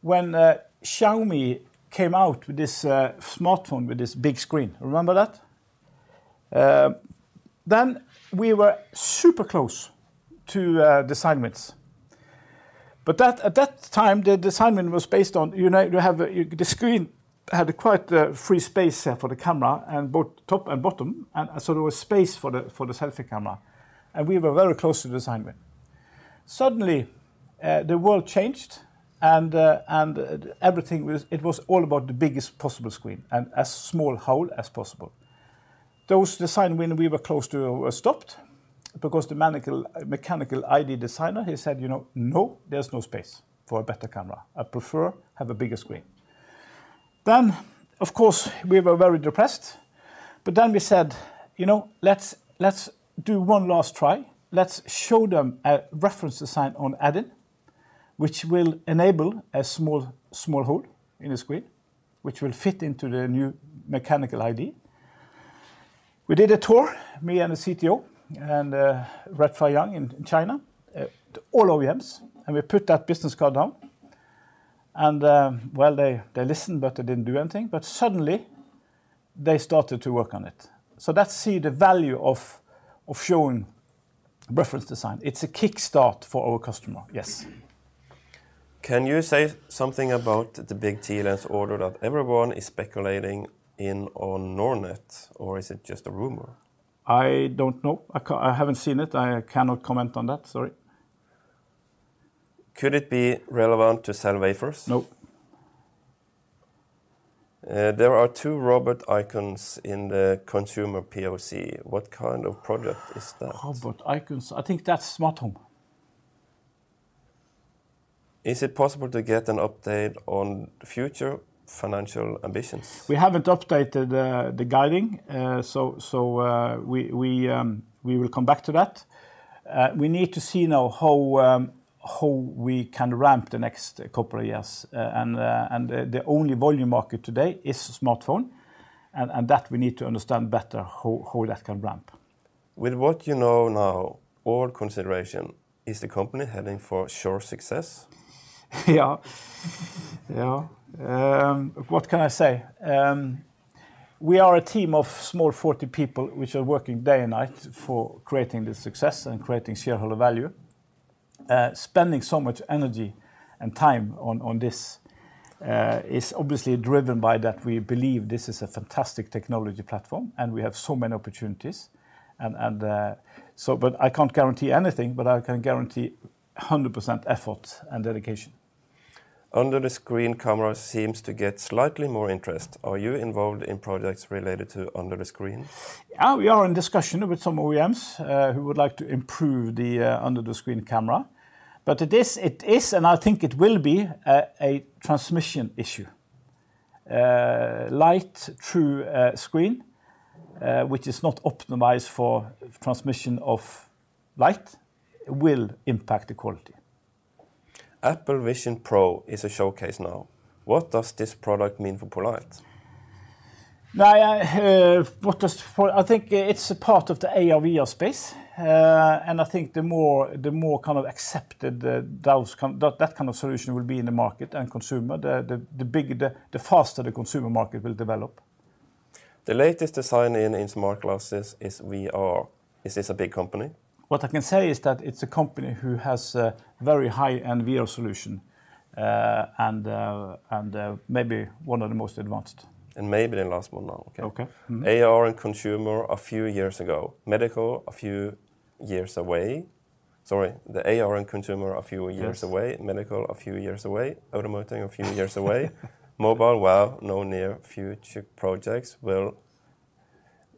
when Xiaomi came out with this smartphone with this big screen, remember that? We were super close to design wins. That, at that time, the design win was based on, you know, The screen had quite the free space there for the camera and both top and bottom, and so there was space for the, for the selfie camera, and we were very close to the design win. Suddenly, the world changed, and everything was, it was all about the biggest possible screen and as small hole as possible. Those design win we were close to were stopped because the mechanical ID designer, he said, "You know, no, there's no space for a better camera. I prefer have a bigger screen." Of course, we were very depressed, but then we said, "You know, let's, let's do one last try. Let's show them a reference design on add-in, which will enable a small, small hole in the screen, which will fit into the new mechanical ID." We did a tour, me and the CTO, and Ray-Fai Chung in China, to all OEMs, and we put that business card down, and well, they, they listened, but they didn't do anything. Suddenly they started to work on it. That's see the value of, of showing reference design. It's a kickstart for our customer, yes. Can you say something about the big TLens order that everyone is speculating in on Nordnet, or is it just a rumor? I don't know. I haven't seen it. I cannot comment on that, sorry. Could it be relevant to sell wafers? No. There are two robot icons in the consumer POC. What kind of project is that? Robot icons, I think that's smart home. Is it possible to get an update on future financial ambitions? We haven't updated the guiding, so, so, we, we, we will come back to that. We need to see now how how we can ramp the next couple of years, and and the, the only volume market today is smartphone, and, and that we need to understand better how, how that can ramp. With what you know now, all consideration, is the company heading for sure success? Yeah. Yeah. What can I say? We are a team of small 40 people, which are working day and night for creating this success and creating shareholder value. Spending so much energy and time on, on this, is obviously driven by that we believe this is a fantastic technology platform, and we have so many opportunities, but I can't guarantee anything, but I can guarantee 100% effort and dedication. Under the screen camera seems to get slightly more interest. Are you involved in projects related to under the screen? Yeah, we are in discussion with some OEMs who would like to improve the under the screen camera. It is, it is, and I think it will be a transmission issue. Light through a screen which is not optimized for transmission of light will impact the quality. Apple Vision Pro is a showcase now. What does this product mean for poLight? Now, I think it's a part of the AR/VR space. I think the more, the more, kind of, accepted the those kind of solution will be in the market and consumer, the, the, the bigger the faster the consumer market will develop. The latest design in, in smart glasses is VR. Is this a big company? What I can say is that it's a company who has a very high-end VR solution, and, and, maybe one of the most advanced. Maybe the last one now. Okay. AR and consumer a few years ago, medical a few years away. Sorry, the AR and consumer a few years away- Yes Medical a few years away, automotive a few years away. Mobile, well, no near future projects. Well,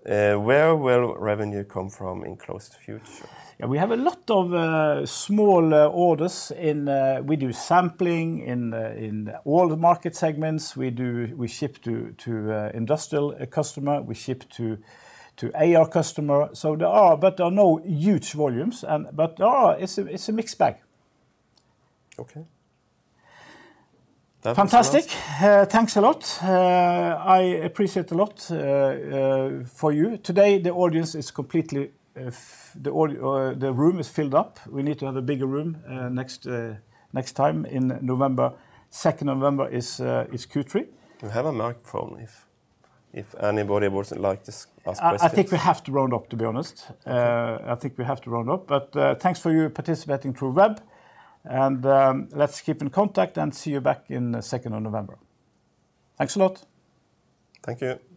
where will revenue come from in close to future? Yeah, we have a lot of, small, orders in. We do sampling in, in all the market segments. We ship to, to industrial customer, we ship to, to AR customer. There are, but there are no huge volumes, and but, it's a, it's a mixed bag. Okay. That was. Fantastic. Thanks a lot. I appreciate a lot for you. Today, the audience is completely, f- the aud- or the room is filled up. We need to have a bigger room, next, next time in November. Second November is, is Q3. You have a microphone if, if anybody would like to ask questions. I think we have to round up, to be honest. Okay. I think we have to round up, but, thanks for you participating through web, and, let's keep in contact, and see you back in the second of November. Thanks a lot. Thank you.